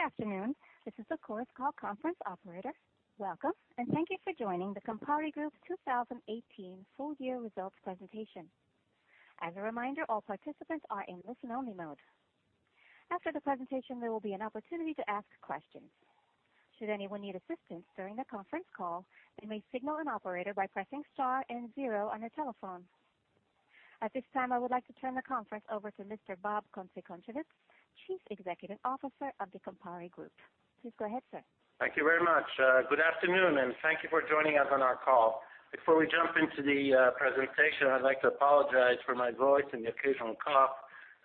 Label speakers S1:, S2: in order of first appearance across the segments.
S1: Good afternoon. This is the Chorus Call conference operator. Welcome, and thank you for joining the Campari Group 2018 Full Year Results Presentation. As a reminder, all participants are in listen-only mode. After the presentation, there will be an opportunity to ask questions. Should anyone need assistance during the conference call, they may signal an operator by pressing star and zero on their telephone. At this time, I would like to turn the conference over to Mr. Bob Kunze-Concewitz, Chief Executive Officer of the Campari Group. Please go ahead, sir.
S2: Thank you very much. Good afternoon, and thank you for joining us on our call. Before we jump into the presentation, I'd like to apologize for my voice and the occasional cough.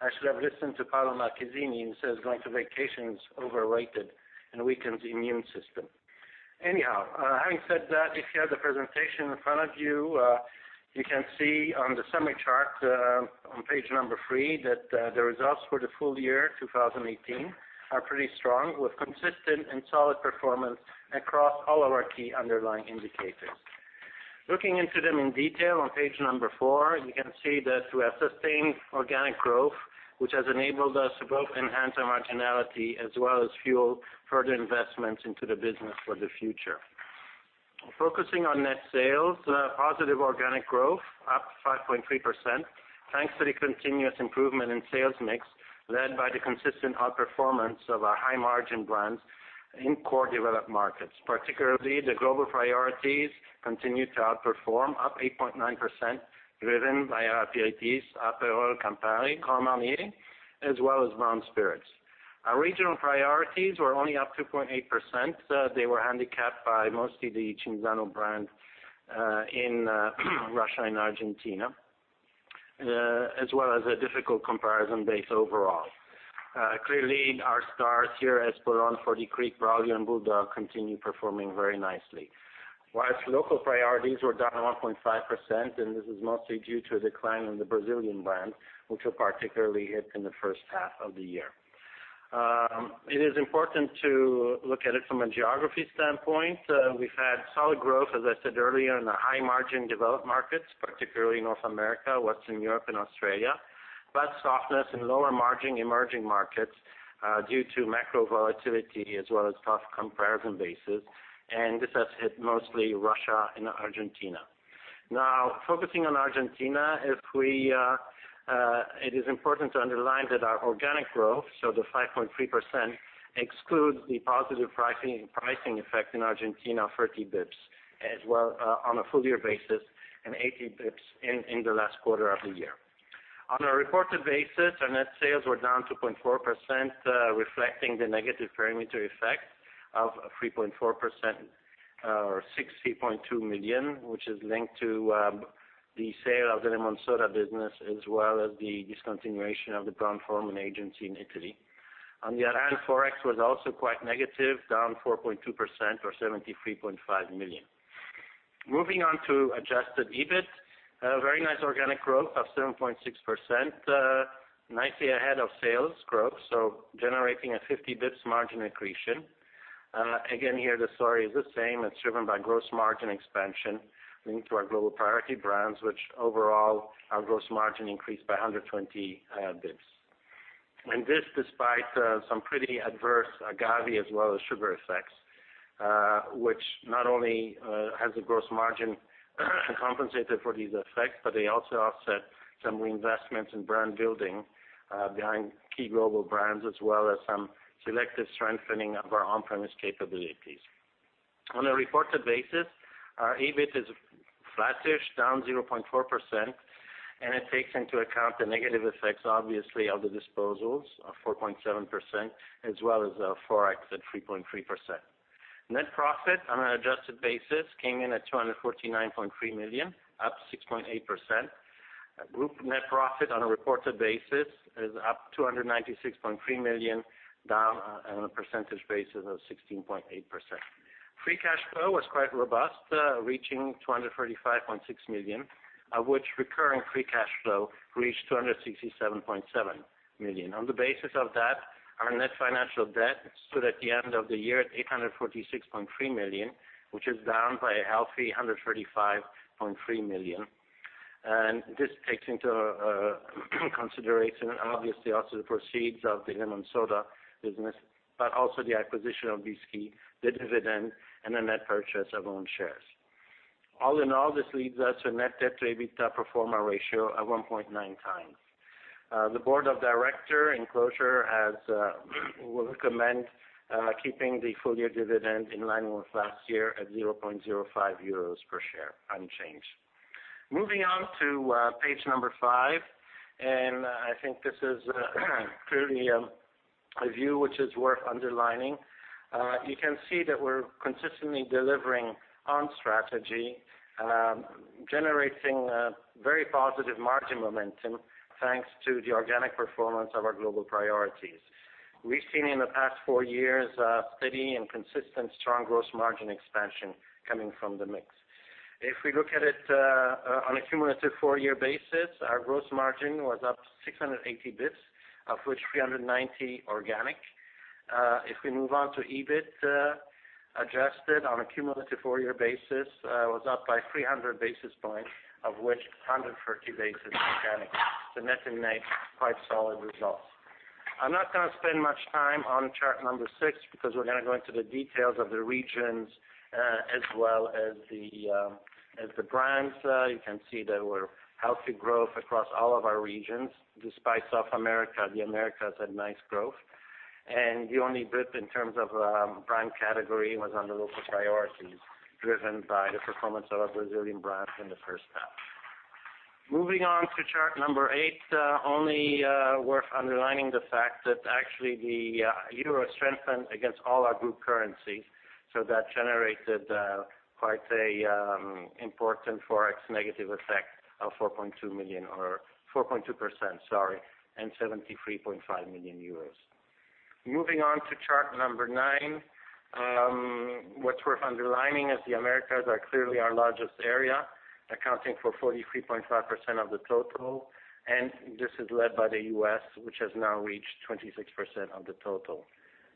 S2: I should have listened to Paolo Marchesini, who says going to vacation is overrated and weakens the immune system. Anyhow, having said that, if you have the presentation in front of you can see on the summary chart on page three that the results for the full year 2018 are pretty strong with consistent and solid performance across all of our key underlying indicators. Looking into them in detail on page four, you can see that we have sustained organic growth, which has enabled us to both enhance our marginality as well as fuel further investments into the business for the future. Focusing on net sales, positive organic growth up 5.3%, thanks to the continuous improvement in sales mix led by the consistent outperformance of our high-margin brands in core developed markets. Particularly, the global priorities continued to outperform, up 8.9%, driven by our aperitifs, Aperol, Campari, Carmagnola, as well as Brown Spirits. Our regional priorities were only up 2.8%. They were handicapped by mostly the Cinzano brand in Russia and Argentina, as well as a difficult comparison base overall. Clearly, our stars here, Espolòn, Forty Creek, Braulio, and Bulldog continue performing very nicely. Whilst local priorities were down 1.5%, and this is mostly due to a decline in the Brazilian brand, which were particularly hit in the first half of the year. It is important to look at it from a geography standpoint. We've had solid growth, as I said earlier, in the high-margin developed markets, particularly North America, Western Europe, and Australia, but softness in lower margin emerging markets due to macro volatility as well as tough comparison bases. This has hit mostly Russia and Argentina. Focusing on Argentina, it is important to underline that our organic growth, so the 5.3%, excludes the positive pricing effect in Argentina, 30 basis points on a full year basis and 80 basis points in the last quarter of the year. On a reported basis, our net sales were down 2.4%, reflecting the negative perimeter effect of 3.4% or 60.2 million, which is linked to the sale of the Lemonsoda business as well as the discontinuation of the Brown-Forman agency in Italy. The other hand, Forex was also quite negative, down 4.2% or 73.5 million. Moving on to adjusted EBIT. A very nice organic growth of 7.6%, nicely ahead of sales growth, generating a 50 basis points margin accretion. Again, here the story is the same. It's driven by gross margin expansion linked to our global priority brands, which overall our gross margin increased by 120 basis points. This despite some pretty adverse agave as well as sugar effects, which not only has a gross margin compensated for these effects, but they also offset some reinvestments in brand building behind key global brands as well as some selective strengthening of our on-premise capabilities. On a reported basis, our EBIT is flattish, down 0.4%, it takes into account the negative effects, obviously, of the disposals of 4.7% as well as Forex at 3.3%. Net profit on an adjusted basis came in at 249.3 million, up 6.8%. Group net profit on a reported basis is up 296.3 million, down on a percentage basis of 16.8%. Free cash flow was quite robust, reaching 235.6 million, of which recurring free cash flow reached 267.7 million. On the basis of that, our net financial debt stood at the end of the year at 846.3 million, which is down by a healthy 135.3 million. This takes into consideration, obviously, also the proceeds of the Lemonsoda business, but also the acquisition of Bisquit, the dividend, and the net purchase of own shares. All in all, this leads us to a net debt to EBITDA pro forma ratio of 1.9 times. The board of director in closure will recommend keeping the full-year dividend in line with last year at 0.05 euros per share unchanged. Moving on to page number five, I think this is clearly a view which is worth underlining. You can see that we're consistently delivering on strategy, generating very positive margin momentum, thanks to the organic performance of our global priorities. We've seen in the past four years a steady and consistent strong gross margin expansion coming from the mix. If we look at it on a cumulative four-year basis, our gross margin was up 680 basis points, of which 390 organic. If we move on to EBIT, adjusted on a cumulative four-year basis, was up by 300 basis points, of which 130 basis organic. Net in net, quite solid results. I'm not going to spend much time on chart number six because we're going to go into the details of the regions as well as the brands. You can see that we're healthy growth across all of our regions, despite South America. The Americas had nice growth, the only blip in terms of brand category was on the local priorities, driven by the performance of our Brazilian brands in the first half. Moving on to chart number eight, only worth underlining the fact that actually the euro strengthened against all our group currencies, that generated quite an important Forex negative effect of 4.2%, 73.5 million euros. Moving on to chart number nine, what's worth underlining is the Americas are clearly our largest area, accounting for 43.5% of the total, this is led by the U.S., which has now reached 26% of the total.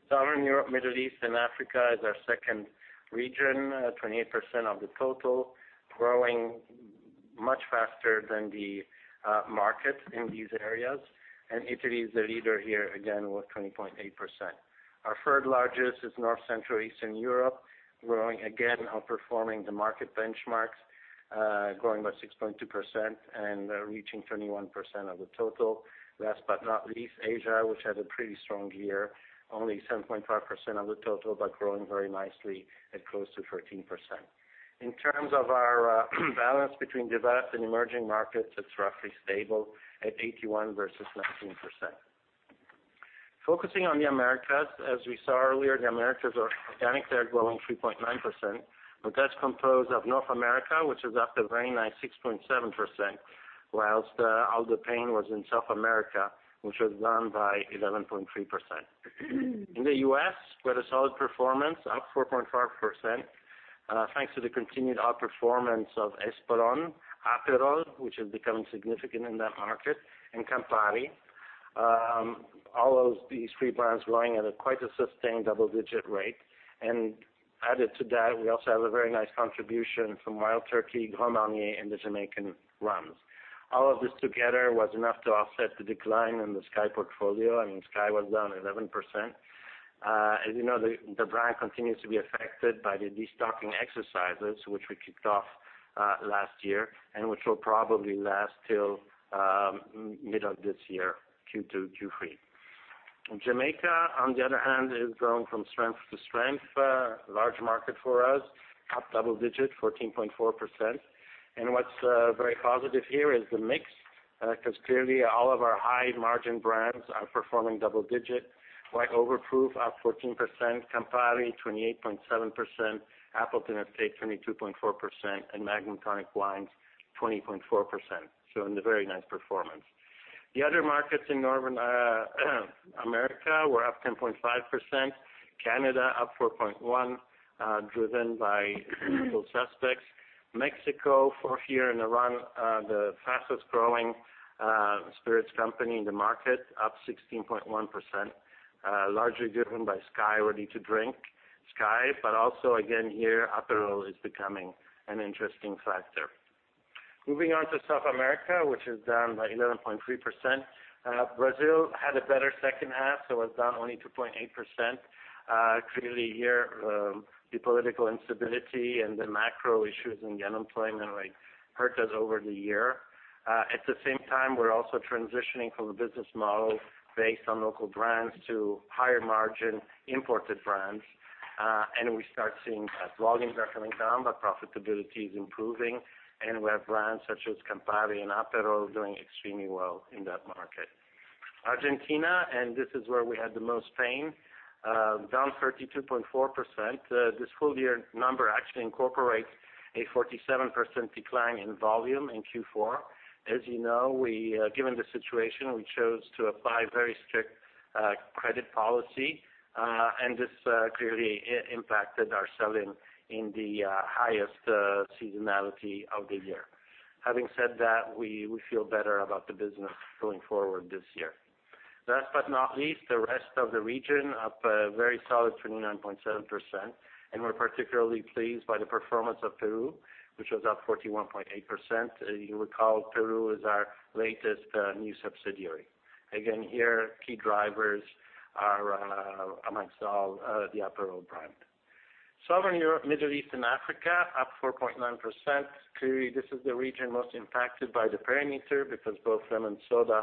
S2: Southern Europe, Middle East, and Africa is our second region at 28% of the total, growing much faster than the markets in these areas. Italy is the leader here again with 20.8%. Our third largest is North, Central, Eastern Europe, growing, again, outperforming the market benchmarks, growing by 6.2% and reaching 21% of the total. Last but not least, Asia, which had a pretty strong year, only 7.5% of the total, but growing very nicely at close to 13%. In terms of our balance between developed and emerging markets, it's roughly stable at 81% versus 19%. Focusing on the Americas, as we saw earlier, the Americas are organically growing 3.9%, but that's composed of North America, which is up the very nice 6.7%, whilst all the pain was in South America, which was down by 11.3%. In the U.S., we had a solid performance, up 4.5%, thanks to the continued outperformance of Espolòn, Aperol, which is becoming significant in that market, and Campari. All these three brands growing at quite a sustained double-digit rate. Added to that, we also have a very nice contribution from Wild Turkey, Grand Marnier, and the Jamaican rums. All of this together was enough to offset the decline in the SKYY portfolio. I mean, SKYY was down 11%. As you know, the brand continues to be affected by the de-stocking exercises, which we kicked off last year and which will probably last till mid of this year, Q2, Q3. Jamaica, on the other hand, is growing from strength to strength. Large market for us, up double digits, 14.4%. What's very positive here is the mix, because clearly all of our high-margin brands are performing double digits, like Overproof, up 14%, Campari 28.7%, Appleton Estate 22.4%, and Magnum Tonic Wine 20.4%, so a very nice performance. The other markets in Northern America were up 10.5%, Canada up 4.1%, driven by Little Suspects. Mexico, for here in the run, the fastest-growing spirits company in the market, up 16.1%, largely driven by SKYY Ready-to-Drink, but also again here, Aperol is becoming an interesting factor. Moving on to South America, which is down by 11.3%. Brazil had a better second half, so was down only 2.8%. Clearly here, the political instability and the macro issues in the unemployment rate hurt us over the year. At the same time, we're also transitioning from a business model based on local brands to higher-margin imported brands, and we start seeing that volumes are coming down, but profitability is improving, and we have brands such as Campari and Aperol doing extremely well in that market. Argentina, and this is where we had the most pain, down 32.4%. This full-year number actually incorporates a 47% decline in volume in Q4. As you know, given the situation, we chose to apply very strict credit policy, this clearly impacted our selling in the highest seasonality of the year. Having said that, we feel better about the business going forward this year. Last but not least, the rest of the region, up a very solid 29.7%, we're particularly pleased by the performance of Peru, which was up 41.8%. You recall, Peru is our latest new subsidiary. Again, here, key drivers are amongst all the Aperol brand. Southern Europe, Middle East, and Africa, up 4.9%. Clearly, this is the region most impacted by the perimeter because both Lemonsoda,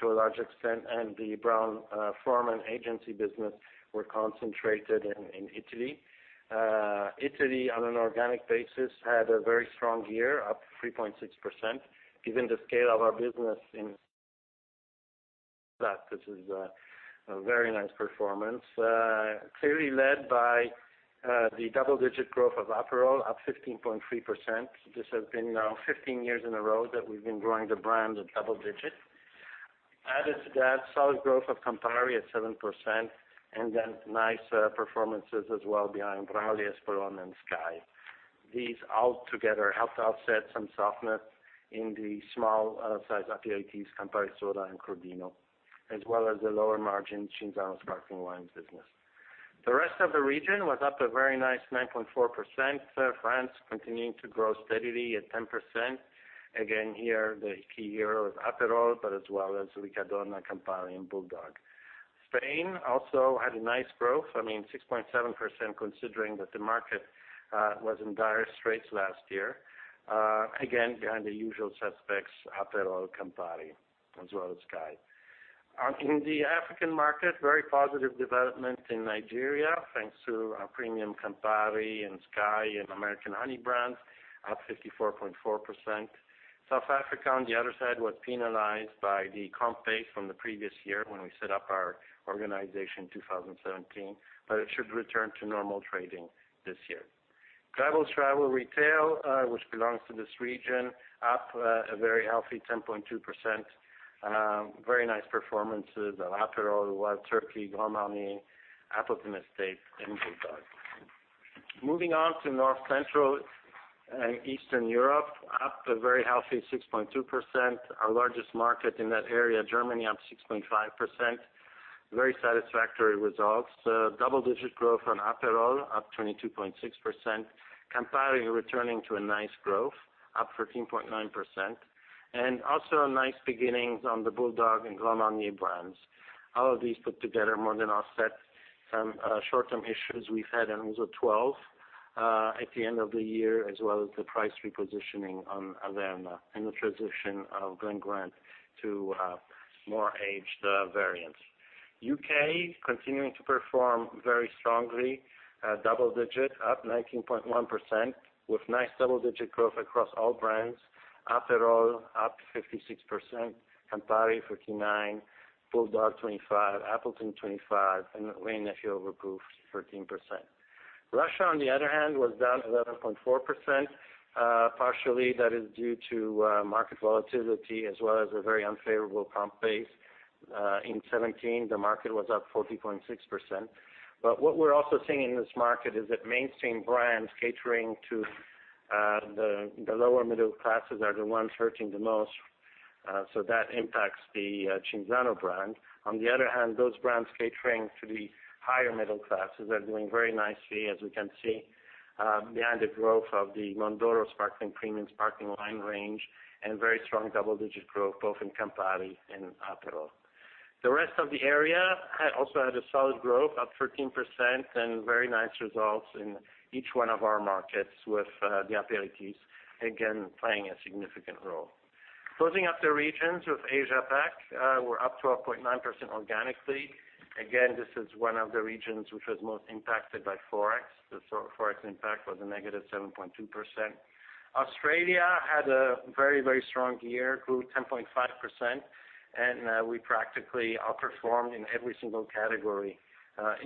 S2: to a large extent, and the Brown-Forman agency business were concentrated in Italy. Italy, on an organic basis, had a very strong year, up 3.6%. Given the scale of our business in that, this is a very nice performance. Clearly led by the double-digit growth of Aperol, up 15.3%. This has been now 15 years in a row that we've been growing the brand at double digits. Added to that, solid growth of Campari at 7%, and then nice performances as well behind Braulio, Espolòn, and SKYY. These all together helped offset some softness in the small size aperitifs Campari Soda and Crodino, as well as the lower margin Cinzano sparkling wines business. Rest of the region was up a very nice 9.4%, France continuing to grow steadily at 10%. Here, the key hero is Aperol, but as well as Riccadonna, Campari, and Bulldog. Spain also had a nice growth, 6.7% considering that the market was in dire straits last year. Behind the usual suspects, Aperol, Campari, as well as SKYY. In the African market, very positive development in Nigeria, thanks to our premium Campari and SKYY and American Honey brands, up 54.4%. South Africa, on the other side, was penalized by the comp base from the previous year when we set up our organization in 2017, but it should return to normal trading this year. Travel retail, which belongs to this region, up a very healthy 10.2%. Very nice performances of Aperol, Wild Turkey, Grand Marnier, Appleton Estate, and Bulldog. Moving on to North, Central, and Eastern Europe, up a very healthy 6.2%. Our largest market in that area, Germany, up 6.5%. Very satisfactory results. Double-digit growth on Aperol, up 22.6%. Campari returning to a nice growth, up 13.9%. Also nice beginnings on the Bulldog and Grand Marnier brands. All of these put together more than offset some short-term issues we've had in Ouzo 12 at the end of the year, as well as the price repositioning on Averna and the transition of Glen Grant to more aged variants. U.K. continuing to perform very strongly, double digit, up 19.1%, with nice double-digit growth across all brands. Aperol up 56%, Campari 39, Bulldog 25, Appleton 25, and Wray & Nephew Overproof 13%. Russia, on the other hand, was down 11.4%, partially that is due to market volatility as well as a very unfavorable comp base. In 2017, the market was up 40.6%. What we're also seeing in this market is that mainstream brands catering to the lower middle classes are the ones hurting the most, so that impacts the Cinzano brand. Other hand, those brands catering to the higher middle classes are doing very nicely, as we can see behind the growth of the Mondoro Sparkling premium sparkling wine range, and very strong double-digit growth both in Campari and Aperol. Rest of the area also had a solid growth, up 13%, and very nice results in each one of our markets with the aperitifs again playing a significant role. Closing up the regions with Asia Pac, we're up 12.9% organically. This is one of the regions which was most impacted by Forex. The Forex impact was a negative 7.2%. Australia had a very strong year, grew 10.5%, and we practically outperformed in every single category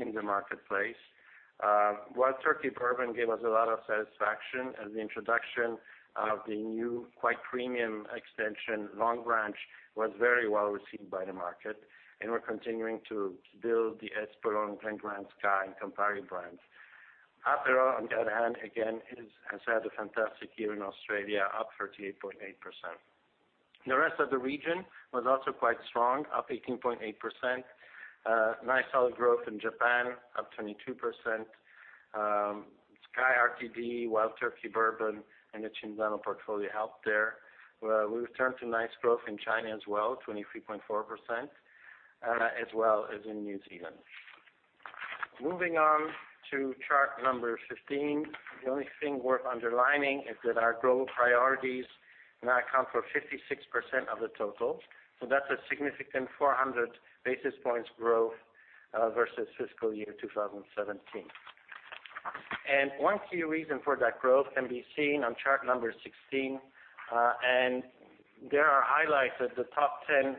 S2: in the marketplace. Wild Turkey Bourbon gave us a lot of satisfaction, and the introduction of the new quite premium extension, Longbranch, was very well received by the market, and we're continuing to build the Espolòn, Glen Grant, SKYY, and Campari brands. Aperol, on the other hand, again, has had a fantastic year in Australia, up 38.8%. The rest of the region was also quite strong, up 18.8%. Nice solid growth in Japan, up 22%. SKYY RTD, Wild Turkey Bourbon, and the Cinzano portfolio helped there. We returned to nice growth in China as well, 23.4%, as well as in New Zealand. Moving on to chart number 15, the only thing worth underlining is that our global priorities now account for 56% of the total. That's a significant 400 basis points growth versus fiscal year 2017. One key reason for that growth can be seen on chart number 16. There are highlights of the top 10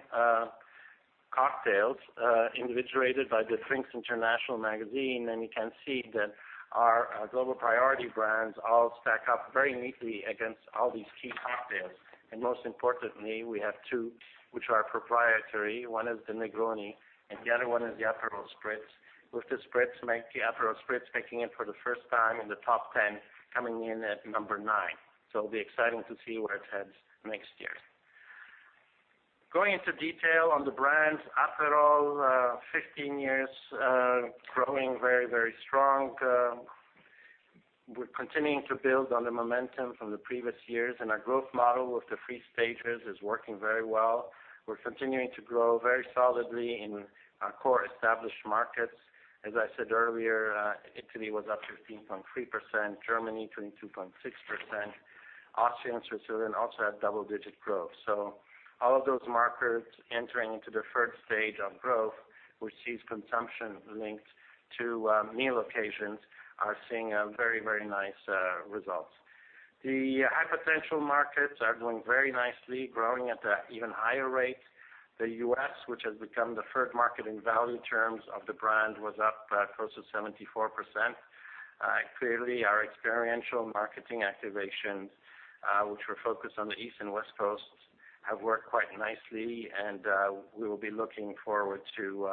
S2: cocktails invigoration by the Drinks International Magazine, and you can see that our global priority brands all stack up very neatly against all these key cocktails. Most importantly, we have two which are proprietary. One is the Negroni and the other one is the Aperol Spritz. With the Spritz, the Aperol Spritz making it for the first time in the top 10, coming in at number nine. It'll be exciting to see where it heads next year. Going into detail on the brands. Aperol, 15 years, growing very strong. We're continuing to build on the momentum from the previous years, and our growth model with the 3 stages is working very well. We're continuing to grow very solidly in our core established markets. As I said earlier, Italy was up 15.3%, Germany 22.6%. Austria and Switzerland also had double-digit growth. All of those markets entering into the 3rd stage of growth, which sees consumption linked to meal occasions, are seeing very nice results. The high-potential markets are doing very nicely, growing at an even higher rate. The U.S., which has become the third market in value terms of the brand, was up close to 74%. Clearly, our experiential marketing activations, which were focused on the East and West coasts, have worked quite nicely, and we will be looking forward to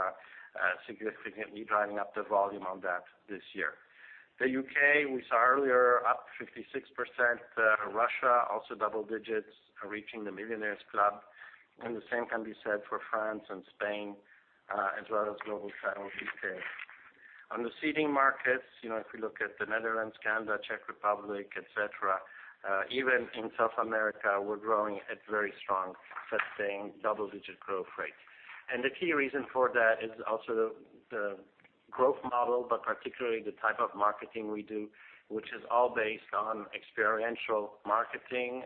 S2: significantly dialing up the volume on that this year. The U.K., we saw earlier, up 56%. Russia, also double digits, reaching the Millionaire's Club. The same can be said for France and Spain, as well as global travel retail. On the seeding markets, if we look at the Netherlands, Canada, Czech Republic, et cetera, even in South America, we're growing at very strong, sustained double-digit growth rates. The key reason for that is also the growth model, but particularly the type of marketing we do, which is all based on experiential marketing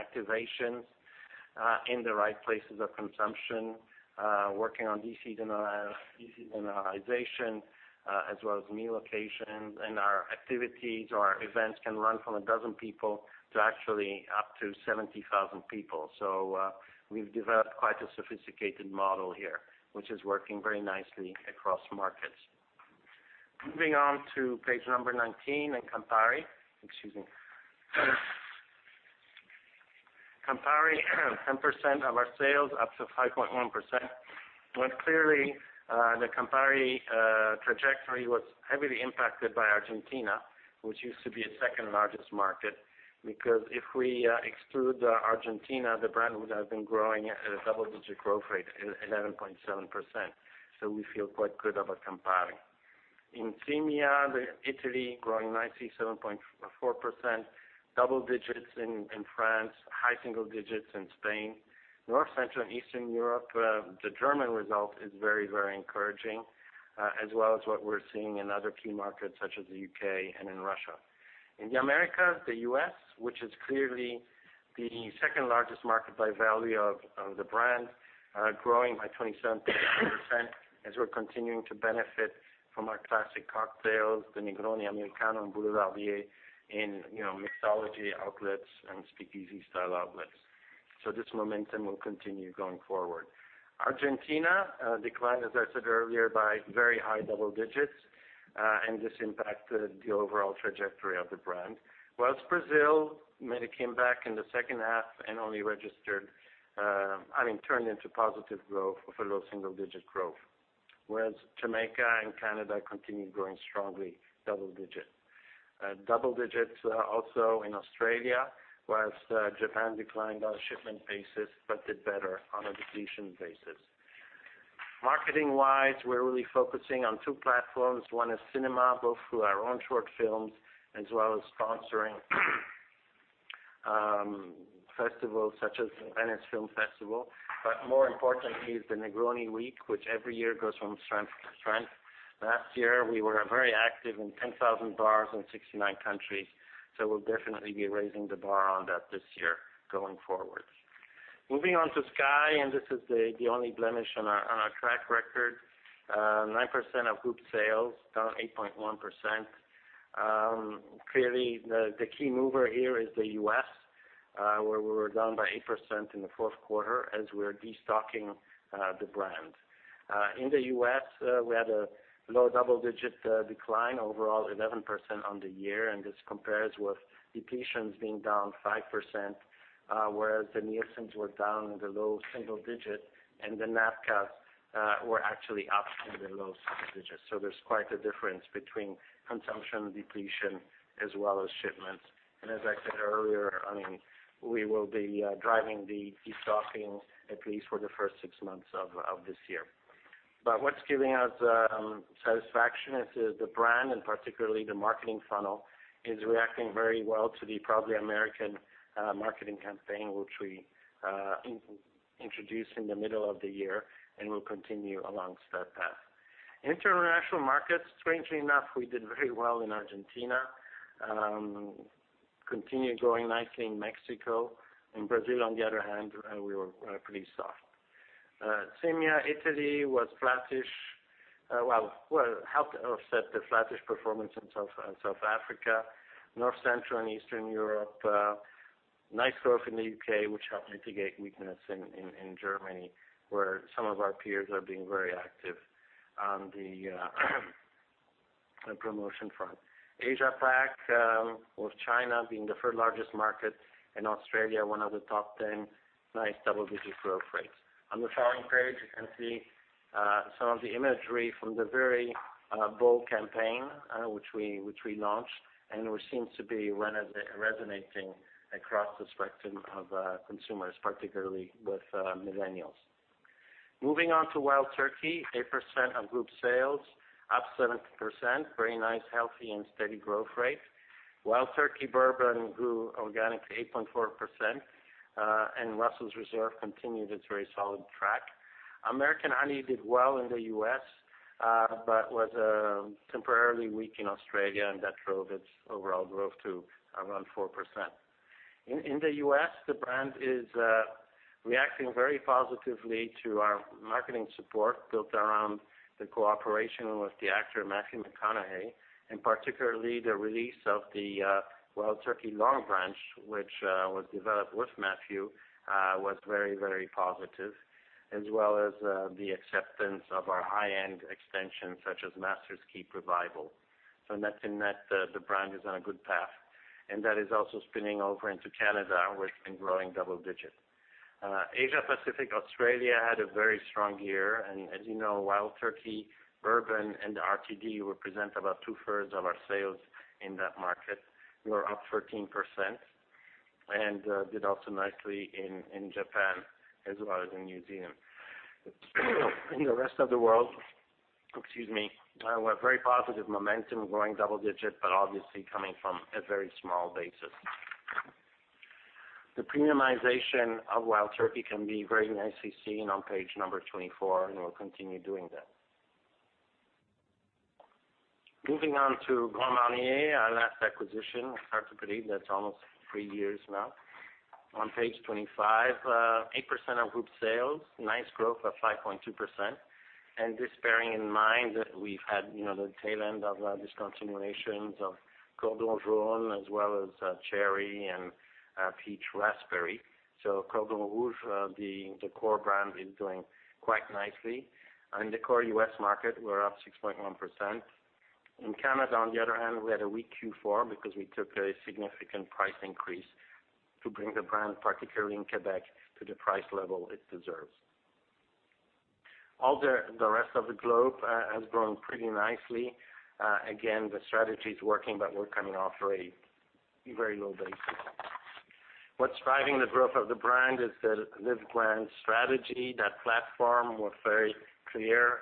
S2: activations in the right places of consumption, working on de-seasonalization, as well as new locations. Our activities or our events can run from a dozen people to actually up to 70,000 people. We've developed quite a sophisticated model here, which is working very nicely across markets. Moving on to page number 19 on Campari. Excuse me. Campari, 10% of our sales, up to 5.1%, when clearly the Campari trajectory was heavily impacted by Argentina, which used to be the second-largest market, because if we exclude Argentina, the brand would have been growing at a double-digit growth rate, at 11.7%. We feel quite good about Campari. In EMEA, Italy growing nicely, 7.4%. Double digits in France. High single digits in Spain. North, Central, and Eastern Europe, the German result is very encouraging, as well as what we're seeing in other key markets such as the U.K. and in Russia. In the Americas, the U.S., which is clearly the second-largest market by value of the brand, growing by 27.1%, as we're continuing to benefit from our classic cocktails, the Negroni, Americano, and Boulevardier in mixology outlets and speakeasy-style outlets. This momentum will continue going forward. Argentina declined, as I said earlier, by very high double digits, and this impacted the overall trajectory of the brand. Whilst Brazil made a comeback in the second half and only turned into positive growth of a low single-digit growth. Whereas Jamaica and Canada continue growing strongly, double-digit. Double digits also in Australia, whilst Japan declined on a shipment basis, but did better on a depletion basis. Marketing-wise, we're really focusing on two platforms. One is cinema, both through our own short films as well as sponsoring festivals such as the Venice Film Festival. More importantly is the Negroni Week, which every year goes from strength to strength. Last year, we were very active in 10,000 bars in 69 countries, we'll definitely be raising the bar on that this year going forward. Moving on to SKYY, this is the only blemish on our track record. 9% of group sales, down 8.1%. Clearly, the key mover here is the U.S., where we were down by 8% in the fourth quarter as we're de-stocking the brand. In the U.S., we had a low double-digit decline overall, 11% on the year, and this compares with depletions being down 5%, whereas the Nielsen were down in the low single digit, and the NABCA were actually up in the low single digits. There's quite a difference between consumption, depletion, as well as shipments. As I said earlier, we will be driving the de-stocking at least for the first six months of this year. What's giving us satisfaction is the brand, and particularly the marketing funnel, is reacting very well to the Proudly American marketing campaign, which we introduced in the middle of the year and will continue along that path. International markets, strangely enough, we did very well in Argentina. Continued growing nicely in Mexico. In Brazil, on the other hand, we were pretty soft. EMEA, Italy was flattish. Well, helped offset the flattish performance in South Africa. North, Central, and Eastern Europe, nice growth in the U.K., which helped mitigate weakness in Germany, where some of our peers are being very active on the promotion front. Asia Pac, with China being the third-largest market, and Australia one of the top 10. Nice double-digit growth rates. On the following page, you can see some of the imagery from the very bold campaign which we launched, and which seems to be resonating across the spectrum of consumers, particularly with millennials. Moving on to Wild Turkey, 8% of group sales, up 7%, very nice, healthy, and steady growth rate. Wild Turkey Bourbon grew organically 8.4%, and Russell's Reserve continued its very solid track. American Honey did well in the U.S., but was temporarily weak in Australia, and that drove its overall growth to around 4%. In the U.S., the brand is reacting very positively to our marketing support built around the cooperation with the actor Matthew McConaughey, and particularly the release of the Wild Turkey Longbranch, which was developed with Matthew, was very positive. As well as the acceptance of our high-end extensions such as Master's Keep Revival. Net, the brand is on a good path. That is also spinning over into Canada, which has been growing double digit. Asia Pacific Australia had a very strong year. As you know, Wild Turkey Bourbon and RTD represent about two-thirds of our sales in that market. We were up 13% and did also nicely in Japan as well as in New Zealand. In the rest of the world, excuse me, we're very positive momentum growing double digit, but obviously coming from a very small basis. The premiumization of Wild Turkey can be very nicely seen on page number 24, and we'll continue doing that. Moving on to Grand Marnier, our last acquisition. Hard to believe that's almost three years now. On page 25, 8% of group sales. Nice growth of 5.2%. This bearing in mind that we've had the tail end of discontinuations of Cordon Rouge as well as Cherry and Peach Raspberry. Cordon Rouge, the core brand, is doing quite nicely. In the core U.S. market, we're up 6.1%. In Canada, on the other hand, we had a weak Q4 because we took a significant price increase to bring the brand, particularly in Quebec, to the price level it deserves. All the rest of the globe has grown pretty nicely. Again, the strategy is working, but we're coming off a very low base. What's driving the growth of the brand is the Live Grand strategy. That platform with very clear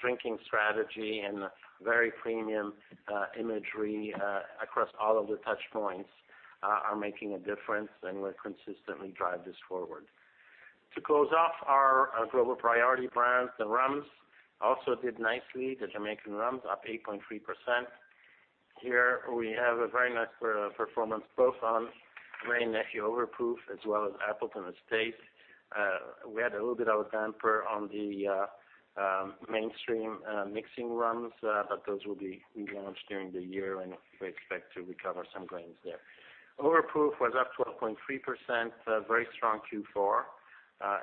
S2: drinking strategy and very premium imagery across all of the touchpoints are making a difference, and we'll consistently drive this forward. To close off our global priority brands, the Rums also did nicely. The Jamaican Rums up 8.3%. Here, we have a very nice performance both on Wray & Nephew Overproof as well as Appleton Estate. We had a little bit of a damper on the mainstream mixing rums, but those will be relaunched during the year, and we expect to recover some gains there. Overproof was up 12.3%, a very strong Q4.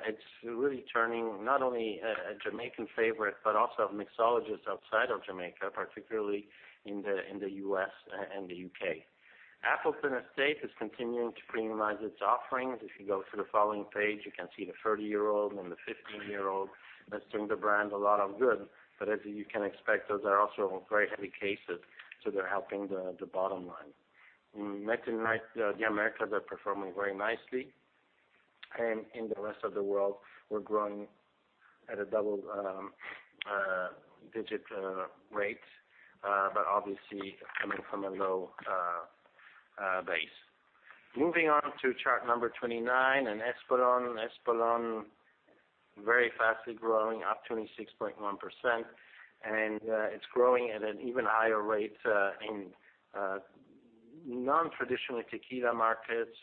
S2: It's really turning not only a Jamaican favorite, but also of mixologists outside of Jamaica, particularly in the U.S. and the U.K. Appleton Estate is continuing to premiumize its offerings. If you go to the following page, you can see the 30-year-old and the 15-year-old. That's doing the brand a lot of good. As you can expect, those are also very heavy cases, so they're helping the bottom line. In Latin America, they're performing very nicely. In the rest of the world, we're growing at a double digit rate. Obviously coming from a low base. Moving on to chart number 29, Espolòn. Espolòn, very fastly growing, up 26.1%, and it's growing at an even higher rate in non-traditional tequila markets,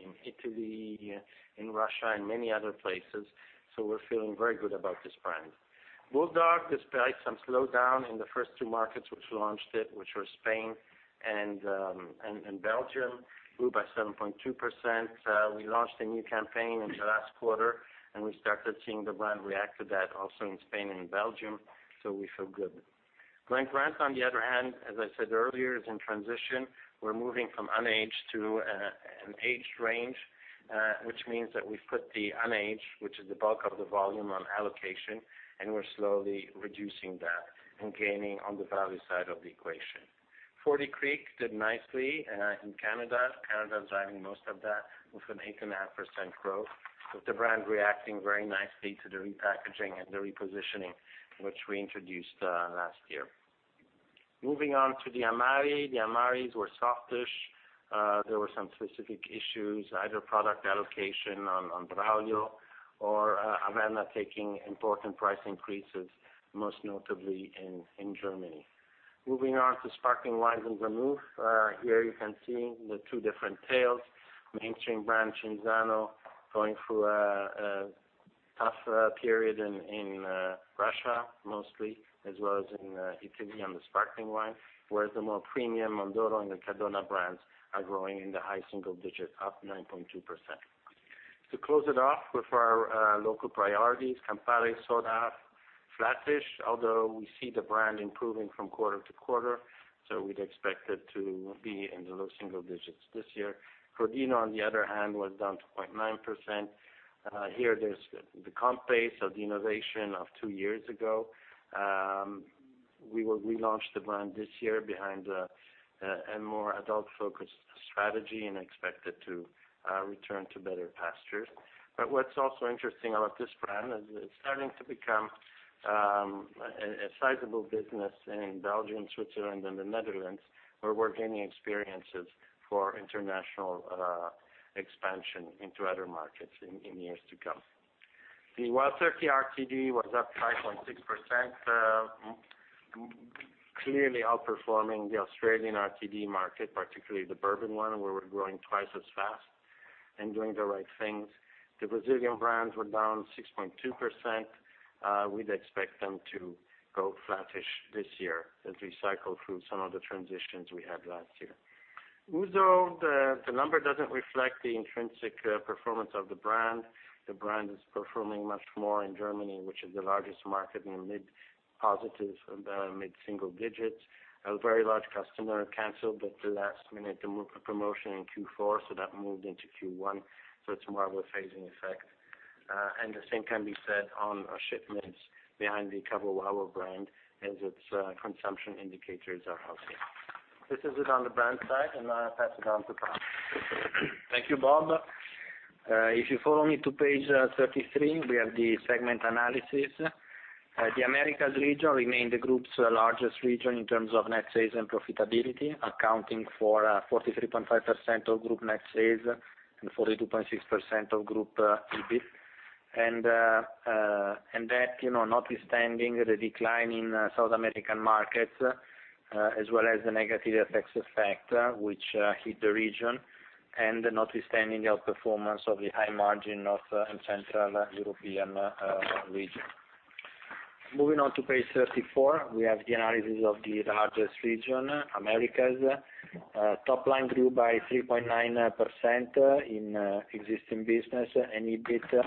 S2: in Italy, in Russia, and many other places. We're feeling very good about this brand. Bulldog, despite some slowdown in the first two markets which launched it, which were Spain and Belgium, grew by 7.2%. We launched a new campaign in the last quarter, and we started seeing the brand react to that also in Spain and Belgium, so we feel good. Glen Grant, on the other hand, as I said earlier, is in transition. We're moving from unaged to an aged range, which means that we've put the unaged, which is the bulk of the volume, on allocation, and we're slowly reducing that and gaining on the value side of the equation. Forty Creek did nicely in Canada. Canada is driving most of that with an 8.5% growth, with the brand reacting very nicely to the repackaging and the repositioning, which we introduced last year. Moving on to the Amari. The Amaris were softish. There were some specific issues, either product allocation on Braulio or Averna taking important price increases, most notably in Germany. Moving on to Sparkling Wines and Vermouth. Here you can see the two different tales. Mainstream brand Cinzano going through a tough period in Russia, mostly, as well as in Italy on the sparkling wine, whereas the more premium Mondoro and Riccadonna brands are growing in the high single digit, up 9.2%. To close it off with our local priorities, Campari Soda, flattish, although we see the brand improving from quarter to quarter, so we'd expect it to be in the low single digits this year. Crodino, on the other hand, was down 2.9%. Here there's the comp base of the innovation of two years ago. We will relaunch the brand this year behind a more adult-focused strategy and expect it to return to better pastures. What's also interesting about this brand is it's starting to become a sizable business in Belgium, Switzerland, and the Netherlands, where we're gaining experiences for international expansion into other markets in years to come. The Wild Turkey RTD was up 5.6%, clearly outperforming the Australian RTD market, particularly the bourbon one, where we're growing twice as fast and doing the right things. The Brazilian brands were down 6.2%. We'd expect them to go flattish this year as we cycle through some of the transitions we had last year. Ouzo, the number doesn't reflect the intrinsic performance of the brand. The brand is performing much more in Germany, which is the largest market, in mid-positives, mid-single digits. A very large customer canceled at the last minute the promotion in Q4, so that moved into Q1. It's more of a phasing effect. The same can be said on our shipments behind the Cavallero brand, as its consumption indicators are healthy. This is it on the brand side, and now I pass it on to Pao.
S3: Thank you, Bob. If you follow me to page 33, we have the segment analysis. The Americas region remained the group's largest region in terms of net sales and profitability, accounting for 43.5% of group net sales and 42.6% of group EBIT. That, notwithstanding the decline in South American markets, as well as the negative FX effect which hit the region, and notwithstanding the outperformance of the high margin North and Central European region. Moving on to page 34, we have the analysis of the largest region, Americas. Topline grew by 3.9% in existing business, and EBIT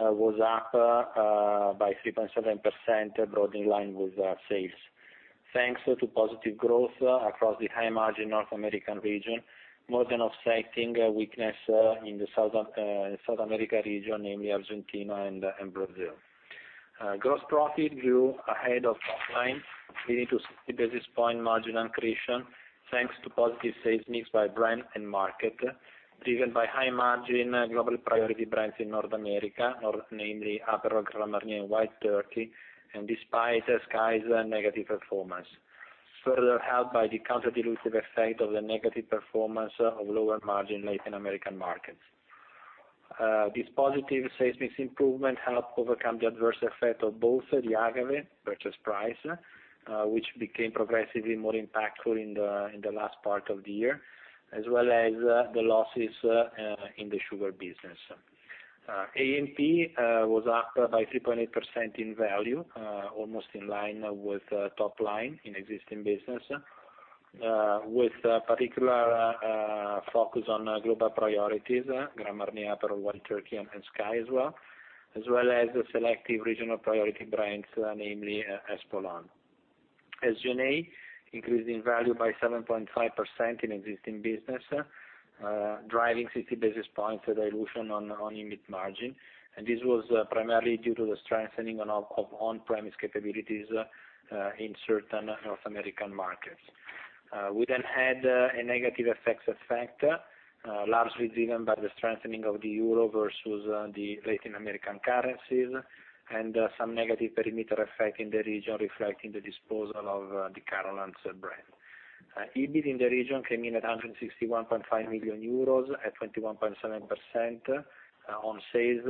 S3: was up by 3.7%, broadly in line with sales. Thanks to positive growth across the high margin North American region, more than offsetting weakness in the South America region, namely Argentina and Brazil. Gross profit grew ahead of top line, leading to 60 basis point margin accretion, thanks to positive sales mix by brand and market, driven by high margin global priority brands in North America, namely Aperol, Grand Marnier, and Wild Turkey, and despite SKYY's negative performance. Further helped by the counterdilutive effect of the negative performance of lower margin Latin American markets. This positive sales mix improvement helped overcome the adverse effect of both the agave purchase price, which became progressively more impactful in the last part of the year, as well as the losses in the sugar business. A&P was up by 3.8% in value, almost in line with top line in existing business, with particular focus on global priorities, Grand Marnier, Aperol, Wild Turkey, and SKYY as well as the selective regional priority brands, namely Espolón. SG&A increased in value by 7.5% in existing business, driving 60 basis points dilution on EBIT margin. This was primarily due to the strengthening of on-premise capabilities in certain North American markets. We then had a negative FX effect, largely driven by the strengthening of the Euro versus the Latin American currencies and some negative perimeter effect in the region, reflecting the disposal of the Carolans brand. EBIT in the region came in at 161.5 million euros at 21.7% on sales,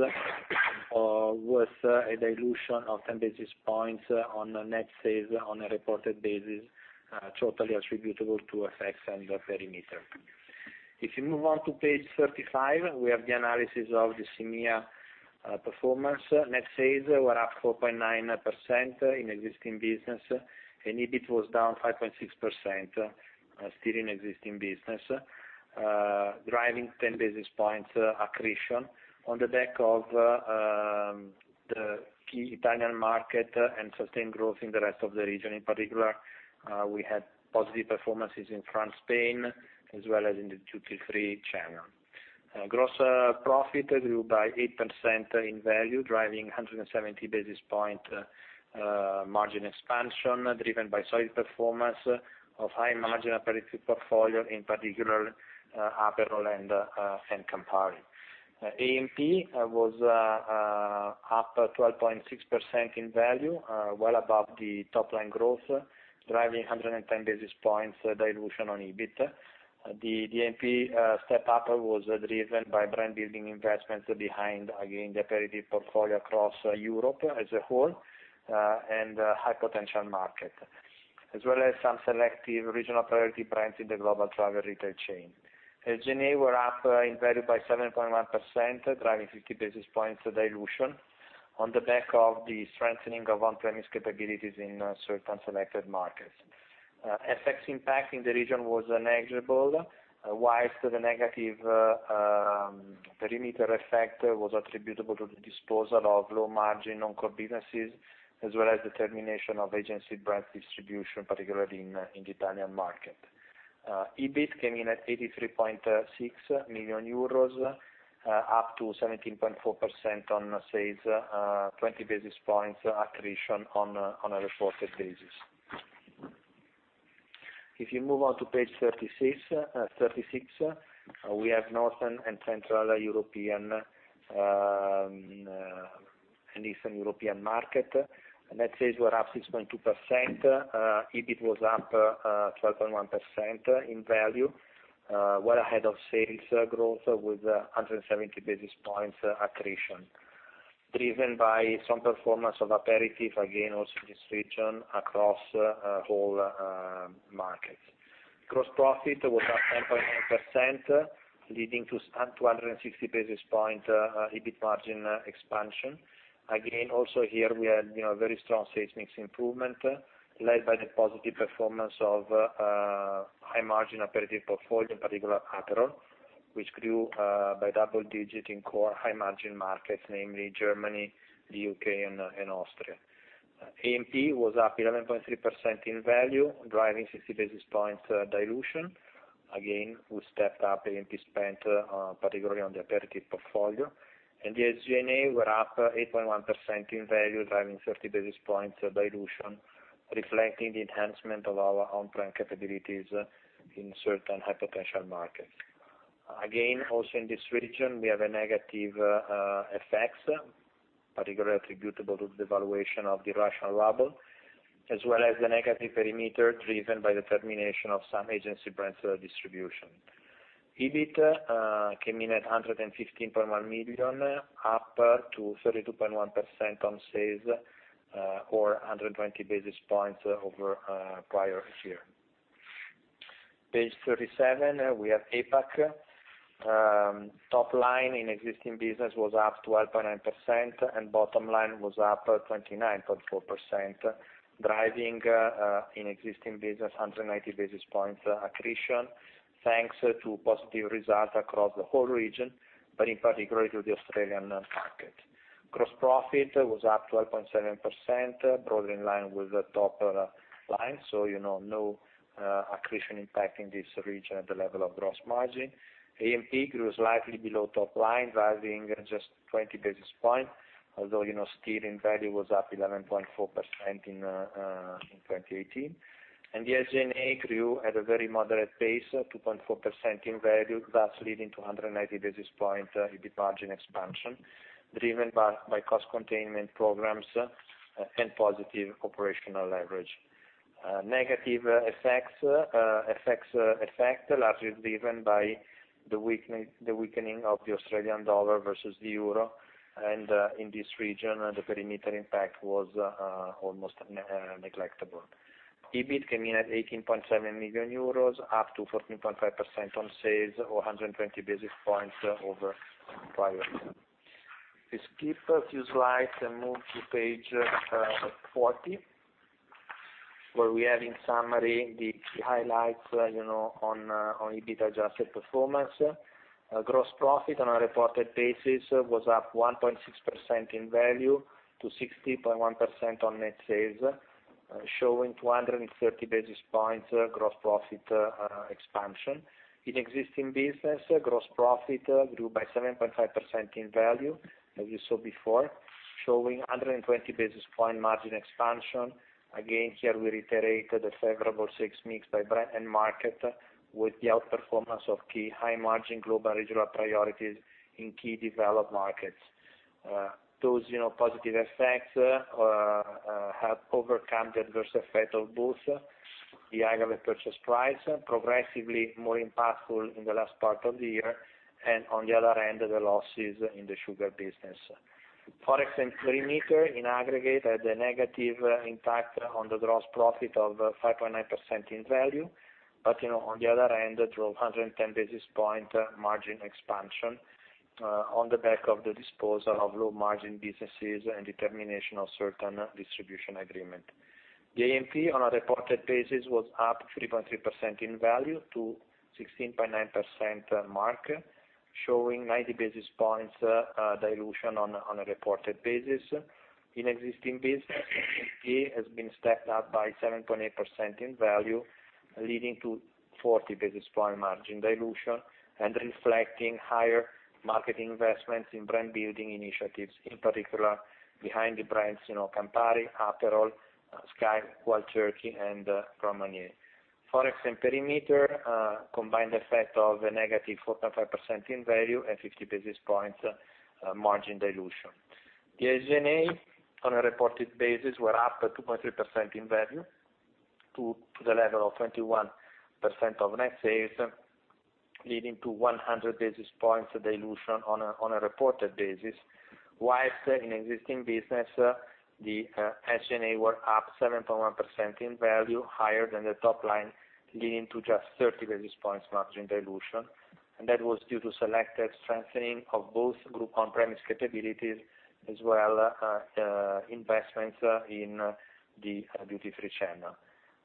S3: with a dilution of 10 basis points on net sales on a reported basis, totally attributable to FX and perimeter. If you move on to page 35, we have the analysis of the EMEA performance. Net sales were up 4.9% in existing business. EBIT was down 5.6%, still in existing business, driving 10 basis points accretion on the back of the key Italian market and sustained growth in the rest of the region. In particular, we had positive performances in France, Spain, as well as in the duty-free channel. Gross profit grew by 8% in value, driving 170 basis point margin expansion, driven by solid performance of high margin aperitifs portfolio, in particular Aperol and Campari. A&P was up 12.6% in value, well above the top-line growth, driving 110 basis points dilution on EBIT. The A&P step-up was driven by brand building investments behind, again, the aperitifs portfolio across Europe as a whole and high potential market, as well as some selective regional priority brands in the global travel retail chain. SG&A were up in value by 7.1%, driving 50 basis points dilution on the back of the strengthening of on-premise capabilities in certain selected markets. FX impact in the region was negligible, whilst the negative perimeter effect was attributable to the disposal of low margin non-core businesses, as well as the termination of agency brand distribution, particularly in the Italian market. EBIT came in at 83.6 million euros, up to 17.4% on sales, 20 basis points accretion on a reported basis. If you move on to page 36, we have Northern and Central European and Eastern European market. Net sales were up 6.2%. EBIT was up 12.1% in value, well ahead of sales growth with 170 basis points accretion, driven by strong performance of aperitifs, again, also in this region across whole markets. Gross profit was up 10.9%, leading to 260 basis point EBIT margin expansion. Also here we had very strong sales mix improvement led by the positive performance of high-margin aperitif portfolio, in particular Aperol, which grew by double-digit in core high-margin markets, namely Germany, the U.K., and Austria. A&P was up 11.3% in value, driving 60 basis point dilution. We stepped up A&P spend, particularly on the aperitif portfolio. The SG&A were up 8.1% in value, driving 30 basis points dilution, reflecting the enhancement of our on-premise capabilities in certain high-potential markets. Also in this region, we have a negative FX, particularly attributable to the valuation of the Russian ruble, as well as the negative perimeter driven by the termination of some agency branch distribution. EBIT came in at 115.1 million, up to 32.1% on sales or 120 basis points over prior year. Page 37, we have APAC. Top line in existing business was up 12.9%, Bottom line was up 29.4%, driving in existing business 190 basis points accretion, thanks to positive results across the whole region, but in particular to the Australian market. Gross profit was up 12.7%, broadly in line with the top line. No accretion impact in this region at the level of gross margin. A&P grew slightly below top line, rising just 20 basis points, although steering value was up 11.4% in 2018. The SG&A grew at a very moderate pace, 2.4% in value, thus leading to 190 basis point EBIT margin expansion, driven by cost containment programs and positive operational leverage. Negative FX effect largely driven by the weakening of the Australian dollar versus the euro, and in this region, the perimeter impact was almost negligible. EBIT came in at 18.7 million euros, up to 14.5% on sales, or 120 basis points over prior year. We skip a few slides and move to page 40, where we have in summary the key highlights on EBIT adjusted performance. Gross profit on a reported basis was up 1.6% in value to 60.1% on net sales, showing 230 basis points gross profit expansion. In existing business, gross profit grew by 7.5% in value, as you saw before, showing 120 basis point margin expansion. Here we reiterate the favorable sales mix by brand and market with the outperformance of key high-margin global regional priorities in key developed markets. Those positive effects have overcome the adverse effect of both the agave purchase price, progressively more impactful in the last part of the year, and on the other end, the losses in the sugar business. Forex and perimeter in aggregate had a negative impact on the gross profit of 5.9% in value, on the other end, drove 110 basis point margin expansion on the back of the disposal of low-margin businesses and the termination of certain distribution agreement. The A&P on a reported basis was up 3.3% in value to 16.9% mark, showing 90 basis points dilution on a reported basis. In existing business, A&P has been stepped up by 7.8% in value, leading to 40 basis point margin dilution and reflecting higher marketing investments in brand building initiatives, in particular behind the brands Campari, Aperol, SKYY, Wild Turkey, and Grand Marnier. Forex and perimeter combined effect of a negative 45% in value and 50 basis points margin dilution. The SG&A on a reported basis were up 2.3% in value to the level of 21% of net sales, leading to 100 basis points dilution on a reported basis. Whilst in existing business, the SG&A were up 7.1% in value higher than the top line, leading to just 30 basis points margin dilution. That was due to selective strengthening of both group on-premise capabilities as well as investments in the duty-free channel.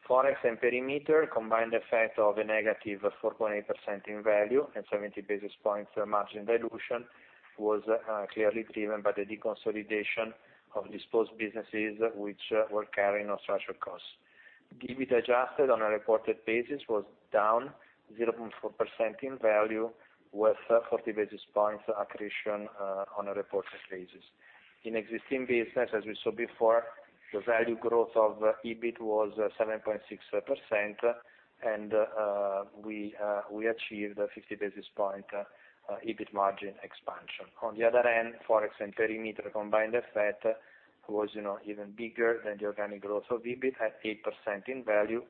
S3: Forex and perimeter combined effect of a negative 4.8% in value and 70 basis points margin dilution was clearly driven by the deconsolidation of disposed businesses which were carrying no structural costs. EBIT adjusted on a reported basis was down 0.4% in value, with 40 basis points accretion on a reported basis. In existing business, as we saw before, the value growth of EBIT was 7.6% and we achieved 50 basis point EBIT margin expansion. On the other end, Forex and perimeter combined effect was even bigger than the organic growth of EBIT at 8% in value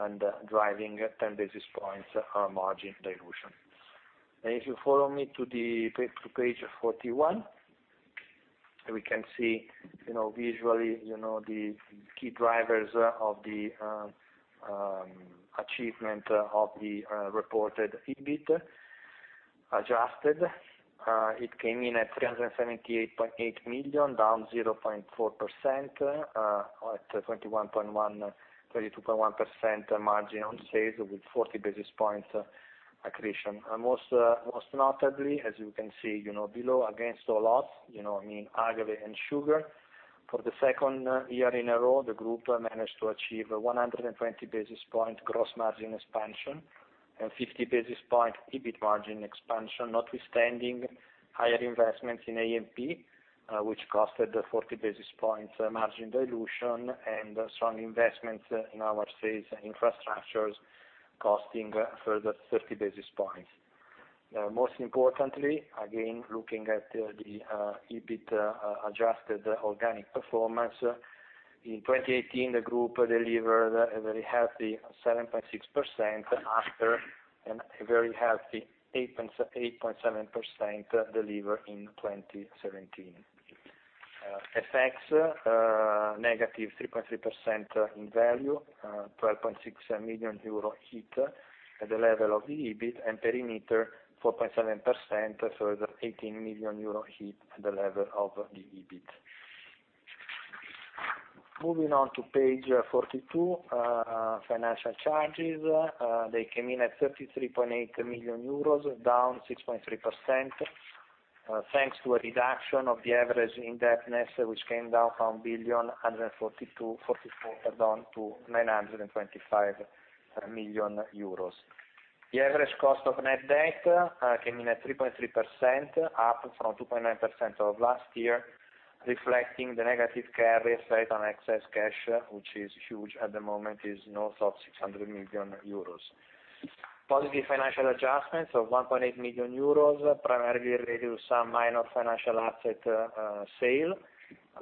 S3: and driving 10 basis points margin dilution. If you follow me to page 41, we can see visually the key drivers of the achievement of the reported EBIT. Adjusted, it came in at 378.8 million, down 0.4% at 32.1% margin on sales with 40 basis points accretion. Most notably, as you can see below, against all odds, in agave and sugar. For the second year in a row, the group managed to achieve a 120 basis point gross margin expansion and 50 basis point EBIT margin expansion, notwithstanding higher investments in A&P, which costed 40 basis points margin dilution and strong investments in our sales infrastructures costing a further 30 basis points. Most importantly, again, looking at the EBIT adjusted organic performance. In 2018, the group delivered a very healthy 7.6% after a very healthy 8.7% delivered in 2017. FX, negative 3.3% in value, 12.6 million euro hit at the level of the EBIT and perimeter 4.7%, so that 18 million euro hit at the level of the EBIT. Moving on to page 42, financial charges. They came in at 33.8 million euros, down 6.3%, thanks to a reduction of the average indebtedness, which came down from 1,144 million to 925 million euros. The average cost of net debt came in at 3.3%, up from 2.9% of last year, reflecting the negative carry effect on excess cash, which is huge at the moment, is north of 600 million euros. Positive financial adjustments of 1.8 million euros, primarily related to some minor financial asset sale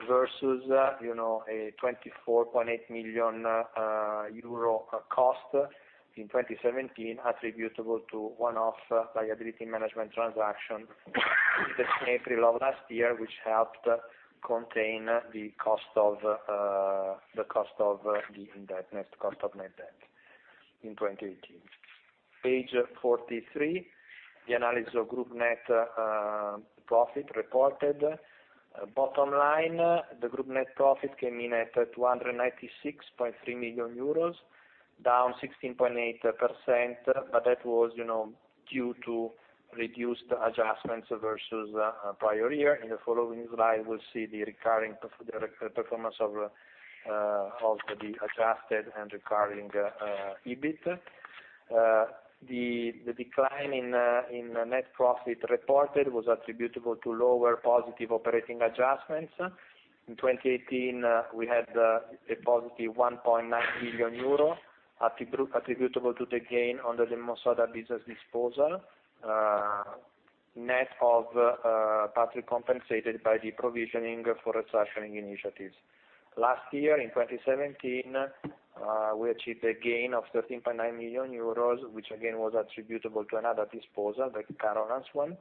S3: versus a 24.8 million euro cost in 2017, attributable to one-off liability management transaction in April of last year, which helped contain the cost of net debt in 2018. Page 43, the analysis of group net profit reported. Bottom line, the group net profit came in at 296.3 million euros, down 16.8%, but that was due to reduced adjustments versus prior year. In the following slide, we'll see the recurring performance of the adjusted and recurring EBIT. The decline in net profit reported was attributable to lower positive operating adjustments. In 2018, we had a positive 1.9 million euro attributable to the gain under the Lemonsoda business disposal, net of partially compensated by the provisioning for restructuring initiatives. Last year, in 2017, we achieved a gain of 13.9 million euros, which again, was attributable to another disposal, the Carolans one,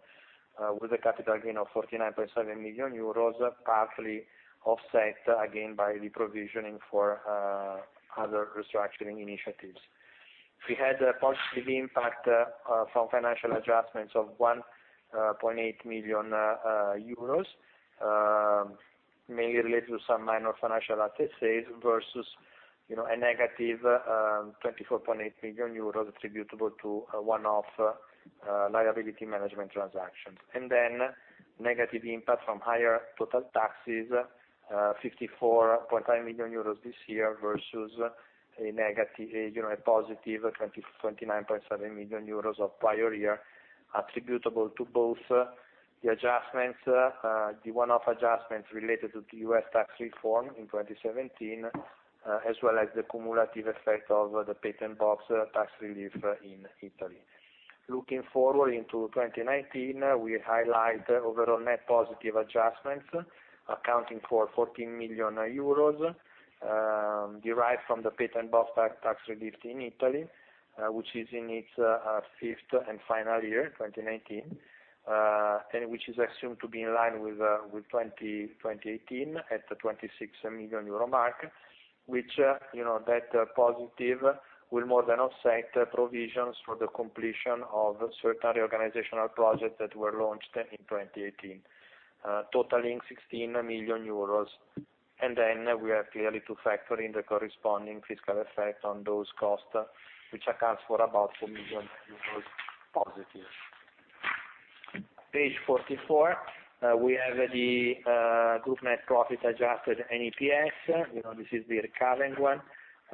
S3: with a capital gain of 49.7 million euros, partially offset again by the provisioning for other restructuring initiatives. We had a positive impact from financial adjustments of 1.8 million euros, mainly related to some minor financial asset sales versus a negative 24.8 million euros attributable to one-off liability management transactions. Negative impact from higher total taxes, 54.5 million euros this year versus a positive 29.7 million euros of prior year, attributable to both the one-off adjustments related to the US tax reform in 2017, as well as the cumulative effect of the patent box tax relief in Italy. Looking forward into 2019, we highlight overall net positive adjustments, accounting for 14 million euros, derived from the patent box tax relief in Italy, which is in its fifth and final year, 2019, and which is assumed to be in line with 2018 at the 26 million euro mark, which that positive will more than offset provisions for the completion of certain organizational projects that were launched in 2018, totaling 16 million euros. We have clearly to factor in the corresponding fiscal effect on those costs, which accounts for about 4 million euros positive. Page 44, we have the group net profit adjusted and EPS. This is the recurring one.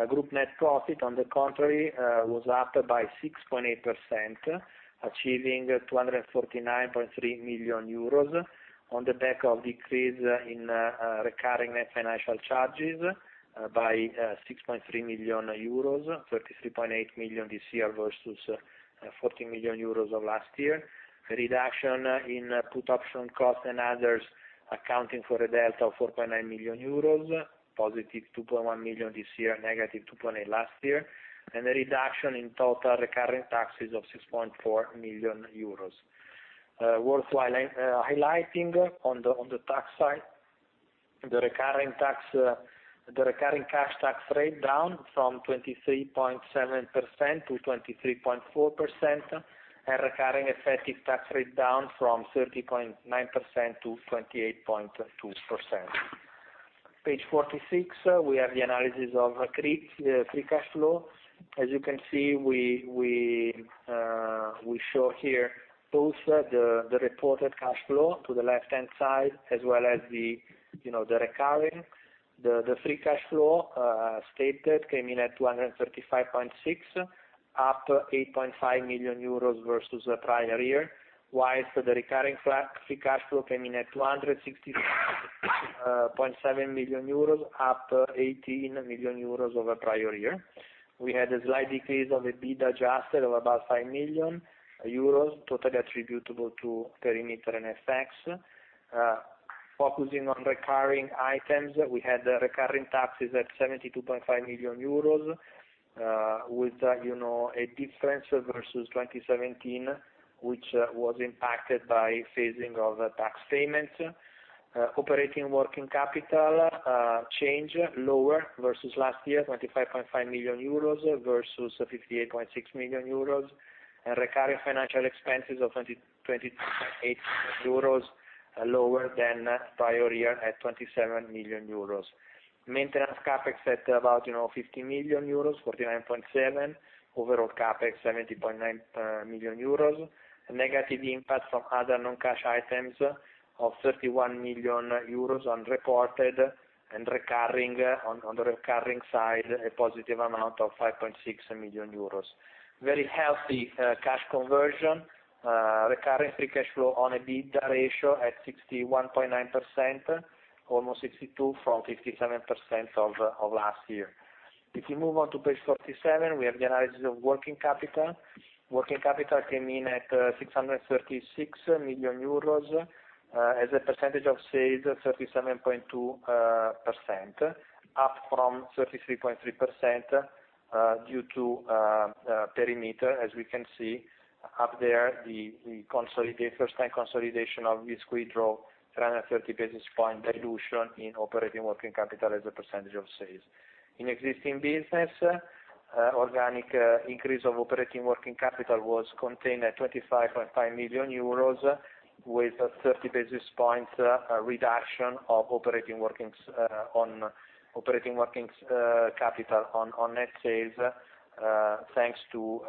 S3: Group net profit, on the contrary, was up by 6.8%, achieving 249.3 million euros on the back of decrease in recurring net financial charges by 6.3 million euros, 33.8 million this year versus 14 million euros of last year. Reduction in put option cost and others accounting for a delta of 4.9 million euros, positive 2.1 million this year, negative 2.8 million last year. A reduction in total recurring taxes of 6.4 million euros. Worth highlighting on the tax side, the recurring cash tax rate down from 23.7% to 23.4%, and recurring effective tax rate down from 30.9% to 28.2%. Page 46, we have the analysis of free cash flow. As you can see, we show here both the reported cash flow to the left-hand side, as well as the recurring. The free cash flow stated came in at 235.6 million, up 8.5 million euros versus the prior year, whilst the recurring free cash flow came in at 260.7 million euros, up 18 million euros over prior year. We had a slight decrease of EBITDA adjusted of about 5 million euros, totally attributable to perimeter and FX. Focusing on recurring items, we had recurring taxes at 72.5 million euros with a difference versus 2017, which was impacted by phasing of tax payments. Operating working capital change lower versus last year, 25.5 million euros versus 58.6 million euros, and recurring financial expenses of 22.8 million euros, lower than prior year at 27 million euros. Maintenance CapEx at about 50 million euros, 49.7 million. Overall CapEx, 70.9 million euros. A negative impact from other non-cash items of 31 million euros on reported, and on the recurring side, a positive amount of 5.6 million euros. Very healthy cash conversion. Recurring free cash flow on a EBITDA ratio at 61.9%, almost 62, from 57% of last year. If you move on to page 47, we have the analysis of working capital. Working capital came in at 636 million euros, as a percentage of sales, 37.2%, up from 33.3% due to perimeter. As we can see up there, the first-time consolidation of Bisquit drove 330 basis point dilution in operating working capital as a percentage of sales. In existing business, organic increase of operating working capital was contained at 25.5 million euros, with a 30 basis point reduction on operating working capital on net sales, thanks to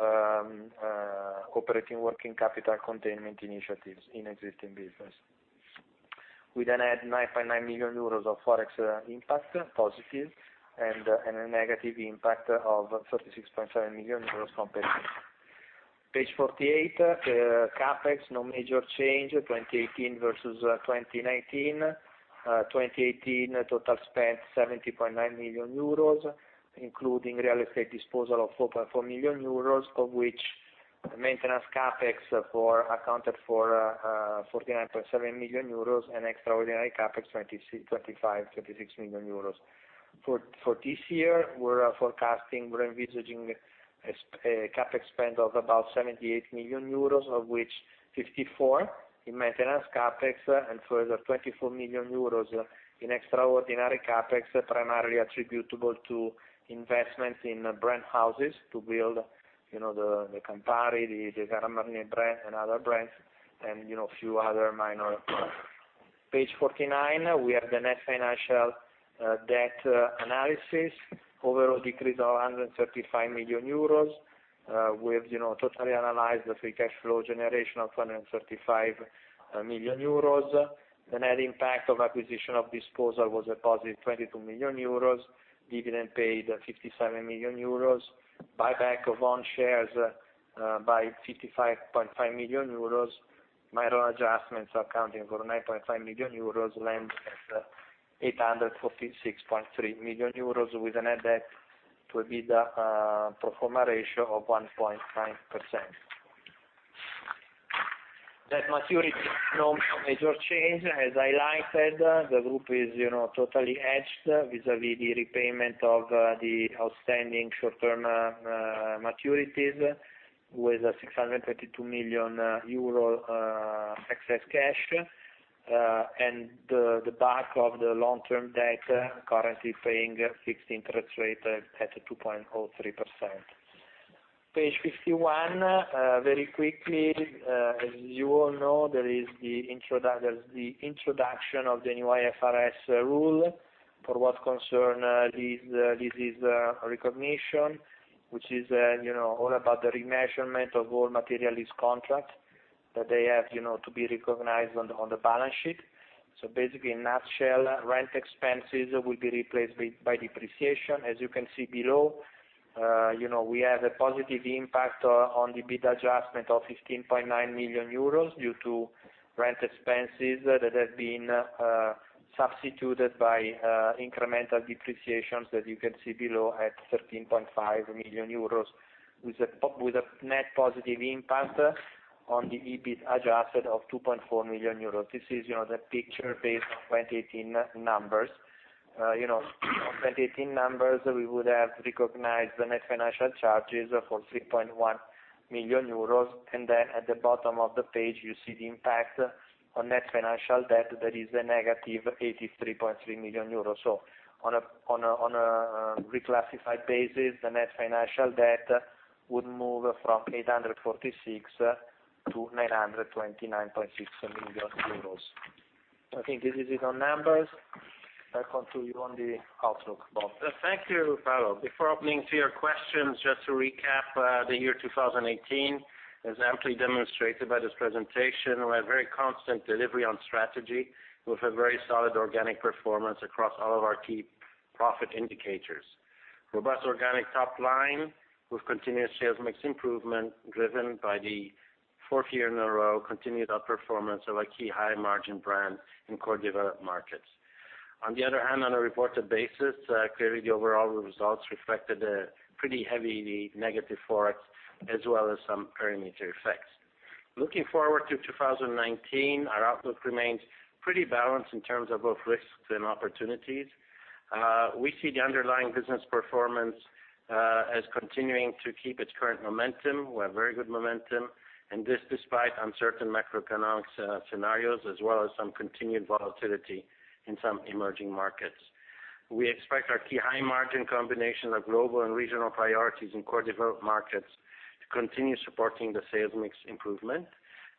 S3: operating working capital containment initiatives in existing business. We then had 9.9 million euros of forex impact, positive, and a negative impact of 36.7 million euros from payments. Page 48, CapEx, no major change 2018 versus 2019. 2018 total spend 70.9 million euros, including real estate disposal of 4.4 million euros, of which maintenance CapEx accounted for 49.7 million euros, and extraordinary CapEx 25 million-26 million euros. For this year, we're envisaging a CapEx spend of about 78 million euros, of which 54 in maintenance CapEx, and further 24 million euros in extraordinary CapEx, primarily attributable to investments in brand houses to build the Campari, the Grand Marnier brand, and other brands, and few other minor. Page 49, we have the net financial debt analysis. Overall decrease of 135 million euros. We have totally analyzed the free cash flow generation of 235 million euros. The net impact of acquisition of disposal was a positive 22 million euros. Dividend paid, 57 million euros. Buyback of own shares by 55.5 million euros. Minor adjustments accounting for 9.5 million euros, land at EUR 846.3 million, with a net debt to EBITDA pro forma ratio of 1.5%. Debt maturity, no major change. As highlighted, the group is totally hedged vis-a-vis the repayment of the outstanding short-term maturities, with a 632 million euro excess cash, and the bulk of the long-term debt currently paying fixed interest rate at 2.03%. Page 51. Very quickly, as you all know, there is the introduction of the new IFRS rule for what concern lease recognition, which is all about the remeasurement of all material lease contract that they have to be recognized on the balance sheet. Basically, in a nutshell, rent expenses will be replaced by depreciation. As you can see below, we have a positive impact on the EBITDA adjustment of 15.9 million euros due to rent expenses that have been substituted by incremental depreciations that you can see below at 13.5 million euros, with a net positive impact on the EBIT adjusted of 2.4 million euros. This is the picture based on 2018 numbers. On 2018 numbers, we would have recognized the net financial charges for 3.1 million euros, and then at the bottom of the page, you see the impact on net financial debt, that is a negative 83.3 million euros. On a reclassified basis, the net financial debt would move from 846 million to 929.6 million euros. I think this is it on numbers. Back on to you on the outlook, Bob.
S2: Thank you, Paolo. Before opening to your questions, just to recap, the year 2018 is amply demonstrated by this presentation. We had very constant delivery on strategy, with a very solid organic performance across all of our key profit indicators. Robust organic top line with continuous sales mix improvement, driven by the fourth year in a row, continued outperformance of our key high margin brand in core developed markets. On the other hand, on a reported basis, clearly the overall results reflected a pretty heavy negative Forex, as well as some perimeter effects. Looking forward to 2019, our outlook remains pretty balanced in terms of both risks and opportunities. We see the underlying business performance as continuing to keep its current momentum. We have very good momentum, and this despite uncertain macroeconomic scenarios as well as some continued volatility in some emerging markets. We expect our key high margin combination of global and regional priorities in core developed markets to continue supporting the sales mix improvement,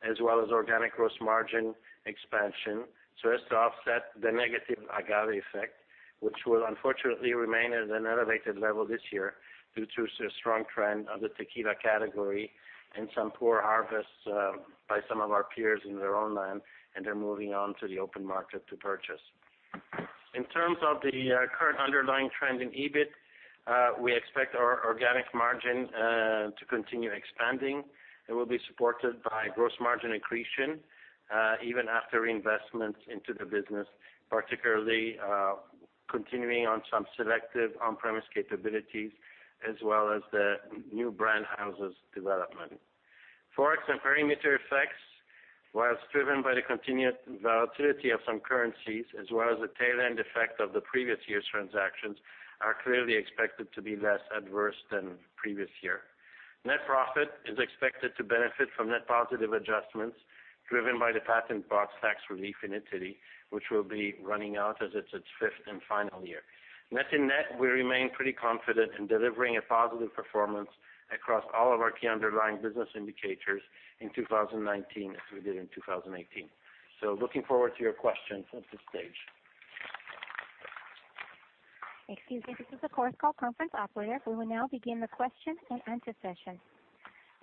S2: as well as organic gross margin expansion, so as to offset the negative agave effect, which will unfortunately remain at an elevated level this year due to the strong trend of the tequila category and some poor harvests by some of our peers in their own land, and they're moving on to the open market to purchase. In terms of the current underlying trend in EBIT, we expect our organic margin to continue expanding, and will be supported by gross margin accretion, even after investments into the business, particularly continuing on some selective on-premise capabilities as well as the new brand houses development. Forex and perimeter effects, whilst driven by the continued volatility of some currencies as well as the tail end effect of the previous year's transactions, are clearly expected to be less adverse than previous year. Net profit is expected to benefit from net positive adjustments driven by the patent box tax relief in Italy, which will be running out as it's its fifth and final year. Net in net, we remain pretty confident in delivering a positive performance across all of our key underlying business indicators in 2019, as we did in 2018. Looking forward to your questions at this stage.
S1: Excuse me, this is the Chorus Call conference operator. We will now begin the question and answer session.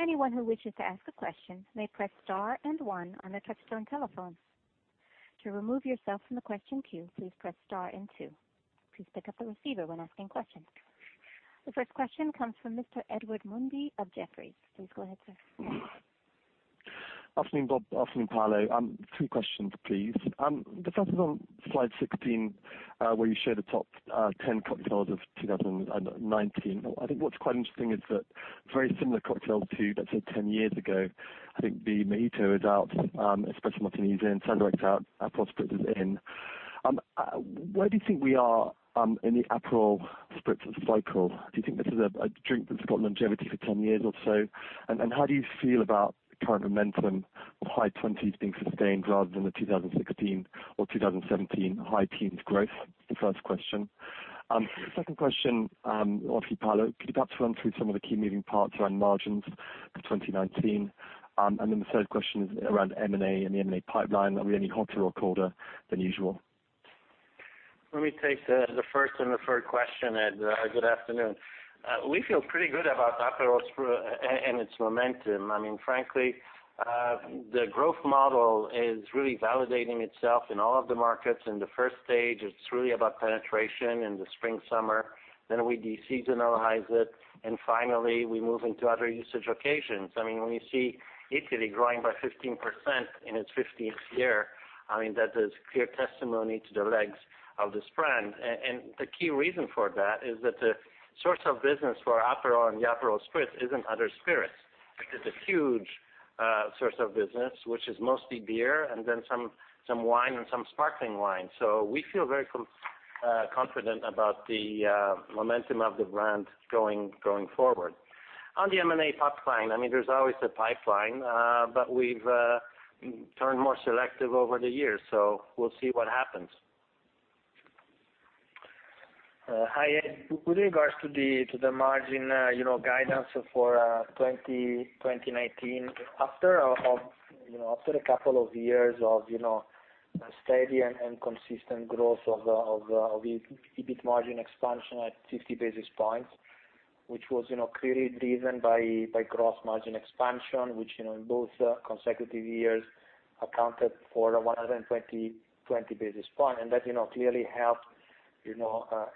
S1: Anyone who wishes to ask a question may press star and one on their touchtone telephones. To remove yourself from the question queue, please press star and two. Please pick up the receiver when asking questions. The first question comes from Mr. Edward Mundy of Jefferies. Please go ahead, sir.
S4: Afternoon, Bob. Afternoon, Paolo. Two questions, please. The first is on slide 16, where you show the top 10 cocktails of 2019. I think what's quite interesting is that very similar cocktails to let's say 10 years ago, I think the Mojito is out, Espresso Martini is in, Hendrick's out, Aperol Spritz is in. Where do you think we are in the Aperol Spritz cycle? Do you think this is a drink that's got longevity for 10 years or so? How do you feel about the current momentum of high 20s being sustained rather than the 2016 or 2017 high teens growth? The first question. The second question, obviously Paolo, could you perhaps run through some of the key moving parts around margins for 2019? The third question is around M&A and the M&A pipeline. Are we any hotter or colder than usual?
S2: Let me take the first and the third question, Ed. Good afternoon. We feel pretty good about Aperol Spritz and its momentum. Frankly, the growth model is really validating itself in all of the markets. In the first stage, it's really about penetration in the spring, summer, then we de-seasonalize it, and finally we move into other usage occasions. When we see Italy growing by 15% in its 15th year, that is clear testimony to the legs of this brand. The key reason for that is that the source of business for Aperol and the Aperol Spritz isn't other spirits. It is a huge source of business, which is mostly beer and then some wine and some sparkling wine. We feel very confident about the momentum of the brand going forward. On the M&A pipeline, there's always a pipeline, but we've turned more selective over the years, so we'll see what happens.
S3: Hi, Ed. With regards to the margin guidance for 2019, after a couple of years of steady and consistent growth of the EBIT margin expansion at 50 basis points, which was clearly driven by gross margin expansion, which in both consecutive years accounted for 120 basis point. That clearly helped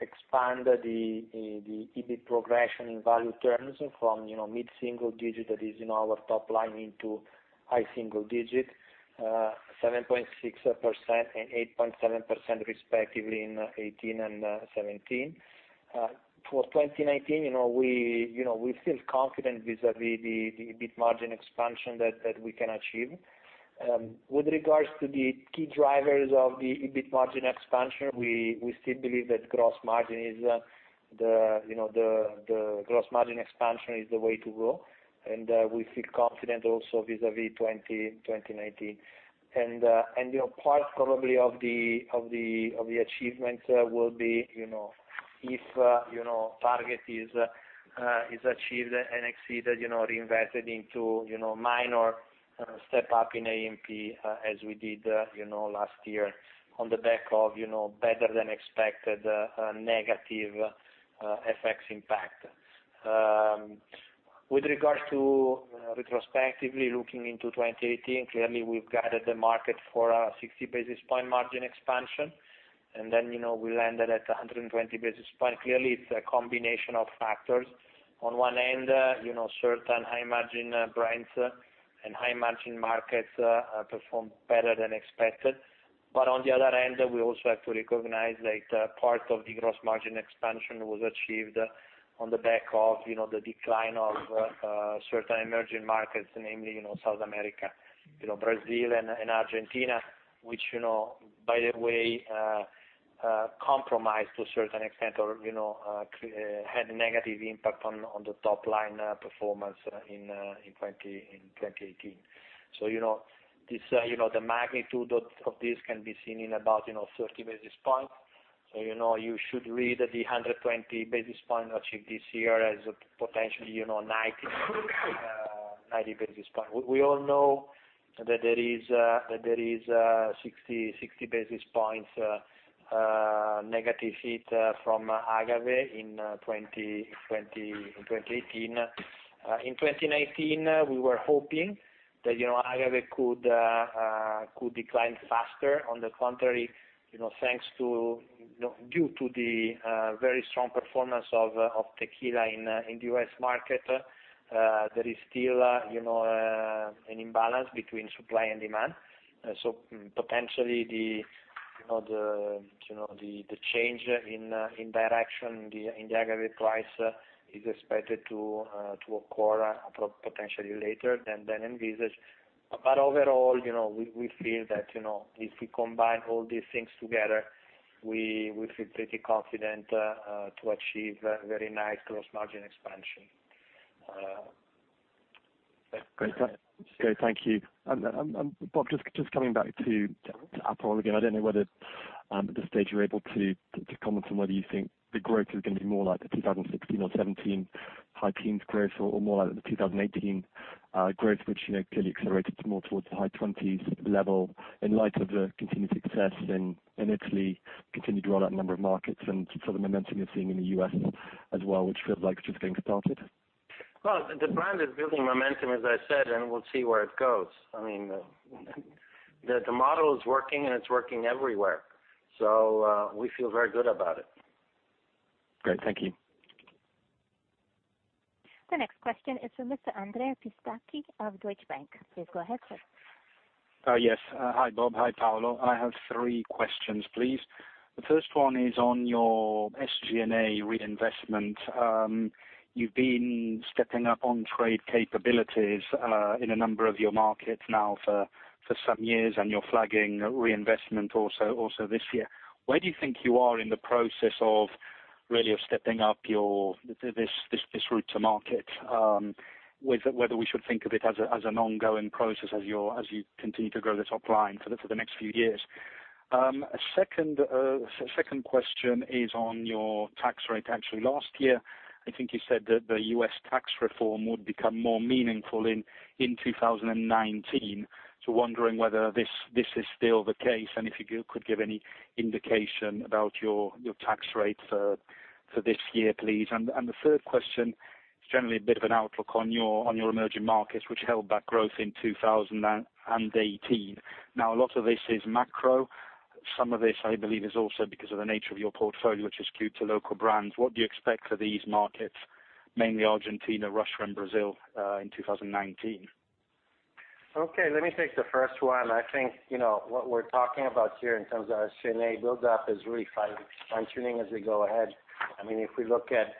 S3: expand the EBIT progression in value terms from mid-single digit that is in our top line into high single digit, 7.6% and 8.7% respectively in 2018 and 2017. For 2019, we feel confident vis-à-vis the EBIT margin expansion that we can achieve. With regards to the key drivers of the EBIT margin expansion, we still believe that gross margin expansion is the way to go, and we feel confident also vis-à-vis 2019. Part probably of the achievement will be, if target is achieved and exceeded, reinvested into minor step up in A&P as we did last year on the back of better than expected negative FX impact. With regards to retrospectively looking into 2018, clearly we've guided the market for a 60 basis points margin expansion, then we landed at 120 basis points. Clearly, it's a combination of factors. On one end, certain high-margin brands and high-margin markets performed better than expected. On the other end, we also have to recognize that part of the gross margin expansion was achieved on the back of the decline of certain emerging markets, namely South America, Brazil, and Argentina, which, by the way, compromised to a certain extent or had a negative impact on the top line performance in 2018. The magnitude of this can be seen in about 30 basis points. You should read the 120 basis points achieved this year as potentially 90 basis points. We all know that there is a 60 basis points negative hit from agave in 2018. In 2019, we were hoping that agave could decline faster. On the contrary, due to the very strong performance of tequila in the U.S. market, there is still an imbalance between supply and demand. Potentially, the change in direction in the aggregate price is expected to occur potentially later than envisaged. Overall, we feel that if we combine all these things together, we feel pretty confident to achieve a very nice gross margin expansion.
S4: Great. Thank you. Bob, just coming back to Aperol again, I don't know whether at this stage you're able to comment on whether you think the growth is going to be more like the 2016 or 2017 high teens growth or more like the 2018 growth, which clearly accelerated more towards the high twenties level in light of the continued success in Italy, continued roll out a number of markets and sort of momentum you're seeing in the U.S. as well, which feels like it's just getting started.
S2: Well, the brand is building momentum, as I said, we'll see where it goes. I mean, the model is working, it's working everywhere. We feel very good about it.
S4: Great. Thank you.
S1: The next question is from Mr. Andrea Pistacchi of Deutsche Bank. Please go ahead, sir.
S5: Yes. Hi, Bob. Hi, Paolo. I have three questions, please. The first one is on your SG&A reinvestment. You've been stepping up on trade capabilities in a number of your markets now for some years, and you're flagging reinvestment also this year. Where do you think you are in the process of really stepping up this route to market? Whether we should think of it as an ongoing process as you continue to grow the top line for the next few years. Second question is on your tax rate. Actually, last year, I think you said that the U.S. tax reform would become more meaningful in 2019. Wondering whether this is still the case and if you could give any indication about your tax rate for this year, please. The third question is generally a bit of an outlook on your emerging markets, which held back growth in 2018. A lot of this is macro. Some of this, I believe, is also because of the nature of your portfolio, which is skewed to local brands. What do you expect for these markets, mainly Argentina, Russia, and Brazil, in 2019?
S2: Okay. Let me take the first one. I think, what we're talking about here in terms of our SG&A buildup is really fine-tuning as we go ahead. If we look at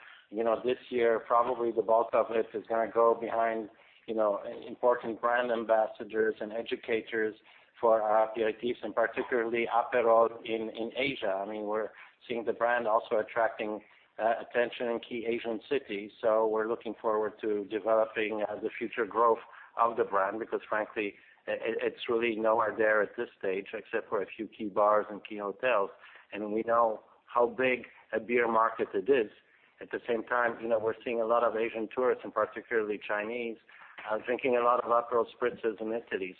S2: this year, probably the bulk of it is going to go behind important brand ambassadors and educators for our aperitifs and particularly Aperol in Asia. We're seeing the brand also attracting attention in key Asian cities. We're looking forward to developing the future growth of the brand because frankly, it's really nowhere there at this stage except for a few key bars and key hotels. We know how big a beer market it is. At the same time, we're seeing a lot of Asian tourists, and particularly Chinese, drinking a lot of Aperol Spritzes in Italy.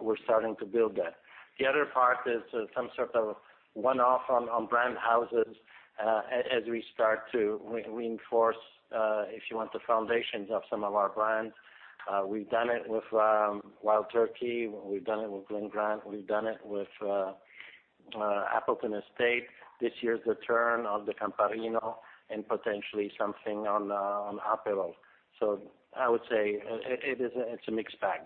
S2: We're starting to build that. The other part is some sort of one-off on brand houses, as we start to reinforce, if you want, the foundations of some of our brands. We've done it with Wild Turkey, we've done it with Glen Grant, we've done it with Appleton Estate. This year's the turn of the Campari and potentially something on Aperol. I would say it's a mixed bag,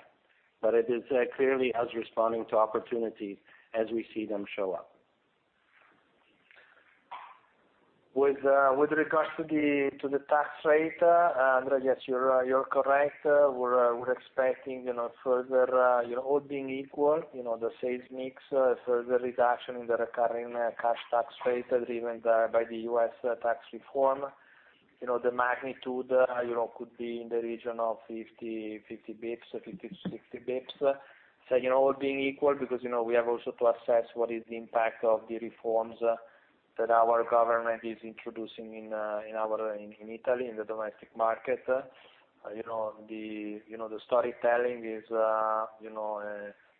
S2: but it is clearly us responding to opportunities as we see them show up.
S3: With regards to the tax rate, Andrea, yes, you're correct. We're expecting further, all being equal, the sales mix, further reduction in the recurring cash tax rate driven by the U.S. tax reform. The magnitude could be in the region of 50 to 60 basis points. All being equal, because we have also to assess what is the impact of the reforms that our government is introducing in Italy, in the domestic market. The storytelling is a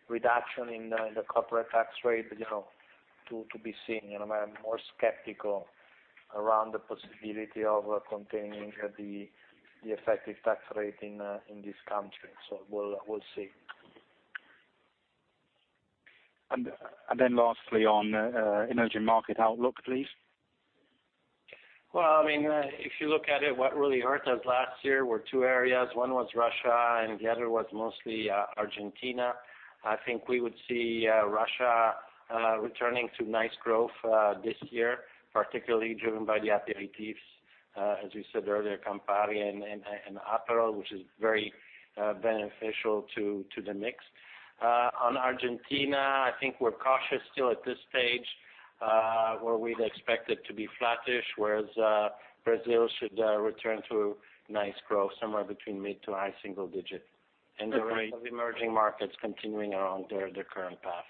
S3: reduction in the corporate tax rate to be seen. I'm more skeptical around the possibility of containing the effective tax rate in this country. We'll see.
S5: Lastly, on energy market outlook, please.
S2: Well, if you look at it, what really hurt us last year were two areas. One was Russia, and the other was mostly Argentina. I think we would see Russia returning to nice growth this year, particularly driven by the aperitifs, as you said earlier, Campari and Aperol, which is very beneficial to the mix. On Argentina, I think we're cautious still at this stage, where we'd expect it to be flattish, whereas Brazil should return to nice growth, somewhere between mid to high single digit. The rest of emerging markets continuing along their current path.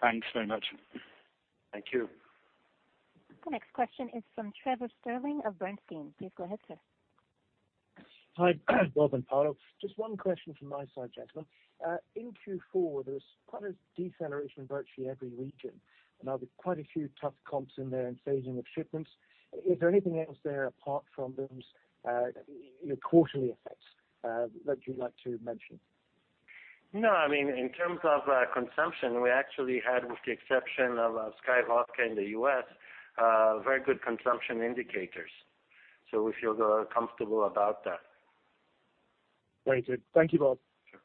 S5: Thanks very much.
S2: Thank you.
S1: The next question is from Trevor Stirling of Bernstein. Please go ahead, sir.
S6: Hi, Bob and Paolo. Just one question from my side, gentlemen. In Q4, there was quite a deceleration in virtually every region, and there'll be quite a few tough comps in there and phasing of shipments. Is there anything else there apart from those quarterly effects that you'd like to mention?
S2: No, in terms of consumption, we actually had, with the exception of SKYY Vodka in the U.S., very good consumption indicators. We feel comfortable about that.
S6: Very good. Thank you both.
S2: Sure.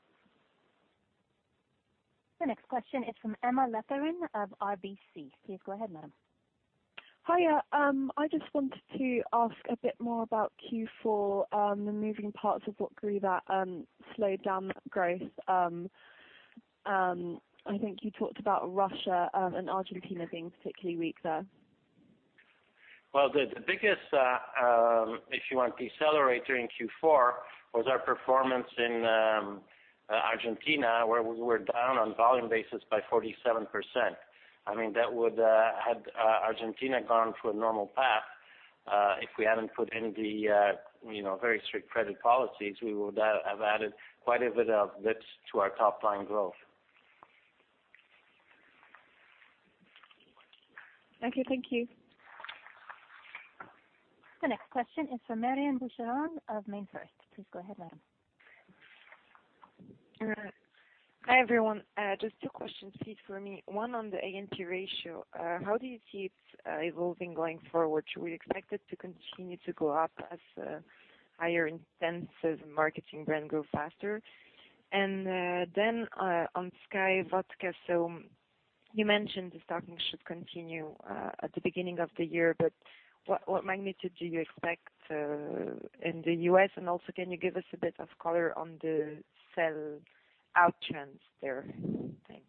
S1: The next question is from Emma Letheren of RBC. Please go ahead, ma'am.
S7: Hi. I just wanted to ask a bit more about Q4, the moving parts of what grew that slowed down that growth. I think you talked about Russia, and Argentina being particularly weak there.
S2: The biggest, if you want decelerator in Q4, was our performance in Argentina, where we were down on volume basis by 47%. Had Argentina gone through a normal path, if we hadn't put in the very strict credit policies, we would have added quite a bit of lift to our top-line growth.
S7: Okay. Thank you.
S1: The next question is from Marion Cohet-Boucheron of MainFirst. Please go ahead, madam.
S8: Hi, everyone. Just two questions, please, for me. One on the A&P ratio. How do you see it evolving going forward? Should we expect it to continue to go up as higher intensive marketing brand grow faster? On SKYY Vodka, you mentioned the stocking should continue at the beginning of the year, what magnitude do you expect in the U.S., can you give us a bit of color on the sell out chance there? Thanks.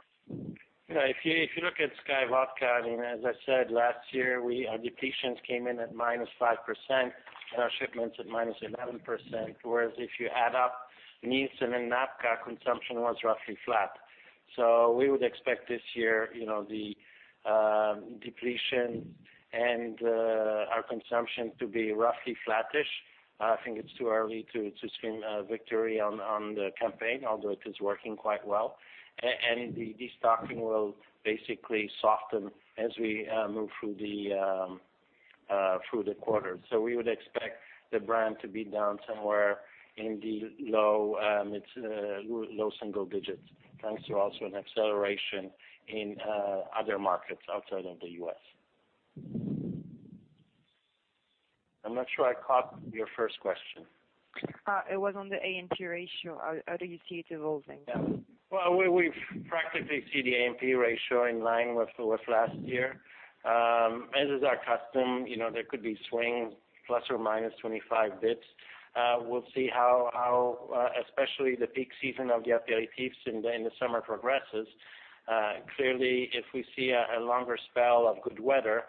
S2: If you look at SKYY Vodka, as I said, last year our depletions came in at -5%, and our shipments at -11%. Whereas if you add up Nielsen and NABCA, consumption was roughly flat. We would expect this year the depletion and our consumption to be roughly flattish. I think it's too early to scream victory on the campaign, although it is working quite well. The de-stocking will basically soften as we move through the quarter. We would expect the brand to be down somewhere in the low single digits, thanks to also an acceleration in other markets outside of the U.S. I'm not sure I caught your first question.
S8: It was on the A&P ratio. How do you see it evolving?
S2: Yeah. Well, we practically see the A&P ratio in line with last year. As is our custom, there could be swings ±25 basis points. We'll see how, especially the peak season of the aperitifs in the summer progresses. Clearly, if we see a longer spell of good weather,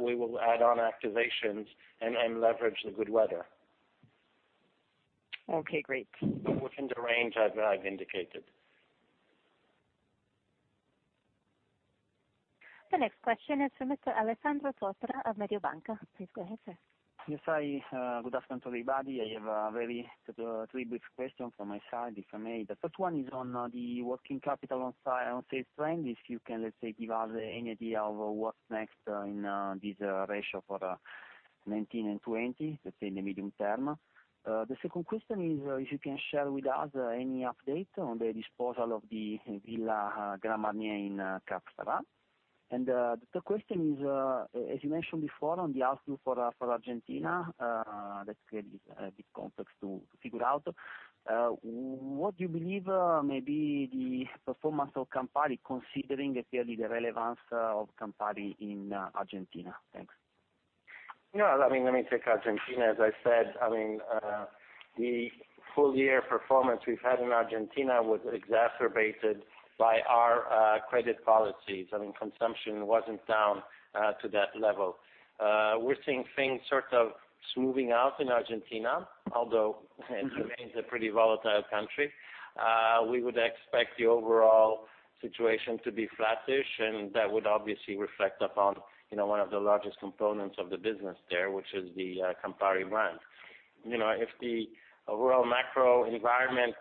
S2: we will add on activations and leverage the good weather.
S8: Okay, great.
S2: Within the range I've indicated.
S1: The next question is from Mr. Alessandro Tortora of Mediobanca. Please go ahead, sir.
S9: Yes. Hi, good afternoon, everybody. I have three brief questions from my side, if I may. The first one is on the working capital on sales trend, if you can, let's say, give us any idea of what's next in this ratio for 2019 and 2020, let's say in the medium term. The second question is, if you can share with us any update on the disposal of the Villa Les Cèdres in Cap Ferrat. The third question is, as you mentioned before, on the outlook for Argentina, that's clearly a bit complex to figure out. What do you believe may be the performance of Campari, considering clearly the relevance of Campari in Argentina? Thanks.
S2: Let me take Argentina. As I said, the full-year performance we've had in Argentina was exacerbated by our credit policies. Consumption wasn't down to that level. We're seeing things sort of smoothing out in Argentina. It's a pretty volatile country. We would expect the overall situation to be flattish, and that would obviously reflect upon one of the largest components of the business there, which is the Campari brand. If the overall macro environment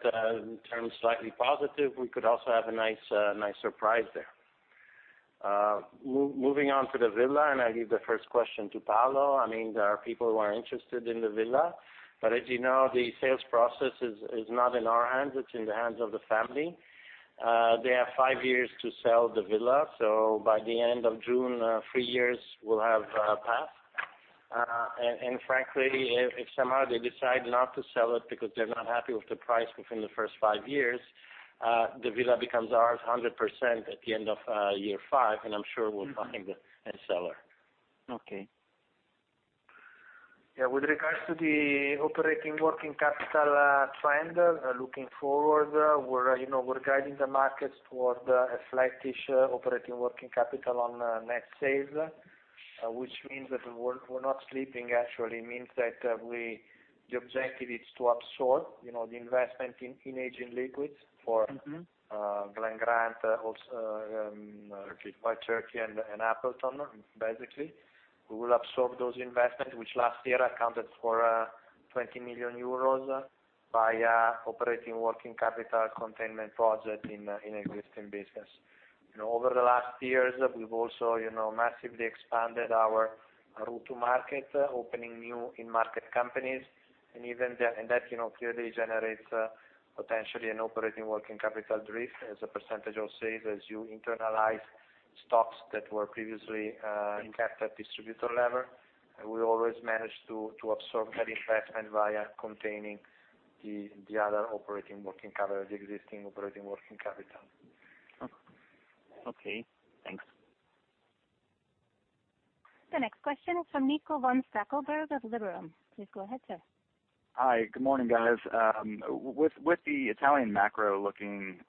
S2: turns slightly positive, we could also have a nice surprise there. Moving on to the villa, and I give the first question to Paolo. There are people who are interested in the villa, but as you know, the sales process is not in our hands. It's in the hands of the family. They have five years to sell the villa, so by the end of June, three years will have passed. Frankly, if somehow they decide not to sell it because they're not happy with the price within the first five years, the villa becomes ours 100% at the end of year five, and I'm sure we'll find a seller.
S9: Okay.
S3: Yeah. With regards to the operating working capital trend, looking forward, we're guiding the markets toward a flattish operating working capital on net sales, which means that we're not sleeping, actually. It means that the objective is to absorb the investment in aging liquids for Glen Grant, Wild Turkey, and Appleton, basically. We will absorb those investments, which last year accounted for 20 million euros via operating working capital containment project in existing business. Over the last years, we've also massively expanded our route to market, opening new in-market companies, and that clearly generates potentially an operating working capital drift as a percentage of sales as you internalize stocks that were previously kept at distributor level. We always manage to absorb that investment via containing the existing operating working capital.
S9: Okay, thanks.
S1: The next question is from Nicolas von Stackelberg of Liberum. Please go ahead, sir.
S10: Hi. Good morning, guys. With the Italian macro looking,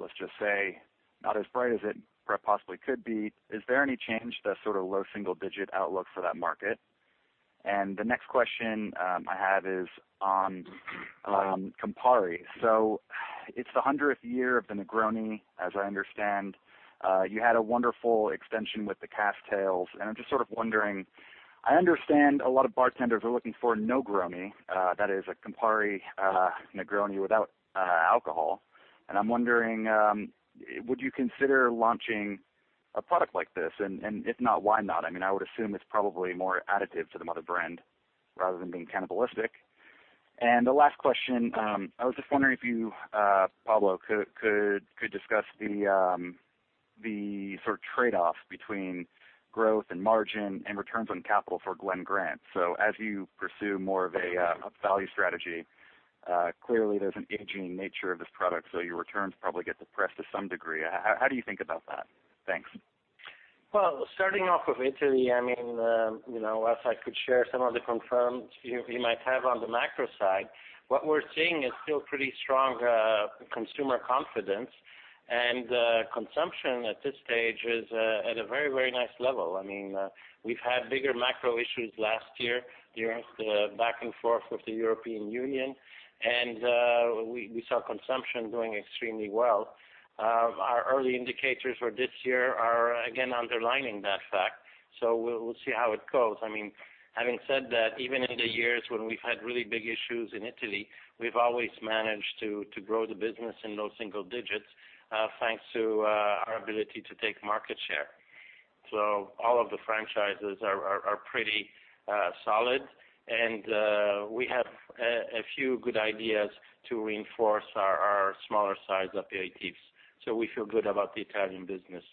S10: let's just say, not as bright as it possibly could be, is there any change to sort of low single-digit outlook for that market? The next question I have is on Campari. It's the 100th year of the Negroni, as I understand. You had a wonderful extension with the Camptails, and I'm just sort of wondering, I understand a lot of bartenders are looking for Nogroni, that is a Campari Negroni without alcohol. I'm wondering, would you consider launching a product like this? If not, why not? I would assume it's probably more additive to the mother brand rather than being cannibalistic. The last question, I was just wondering if you, Paolo, could discuss the sort of trade-off between growth and margin and returns on capital for Glen Grant. As you pursue more of a value strategy, clearly there's an aging nature of this product, so your returns probably get depressed to some degree. How do you think about that? Thanks.
S2: Well, starting off with Italy, as I could share some of the concerns you might have on the macro side, what we're seeing is still pretty strong consumer confidence, and consumption at this stage is at a very nice level. We've had bigger macro issues last year during the back and forth with the European Union, and we saw consumption doing extremely well. Our early indicators for this year are again underlining that fact. We'll see how it goes. Having said that, even in the years when we've had really big issues in Italy, we've always managed to grow the business in those single digits, thanks to our ability to take market share. All of the franchises are pretty solid, and we have a few good ideas to reinforce our smaller size of the aperitifs. We feel good about the Italian business.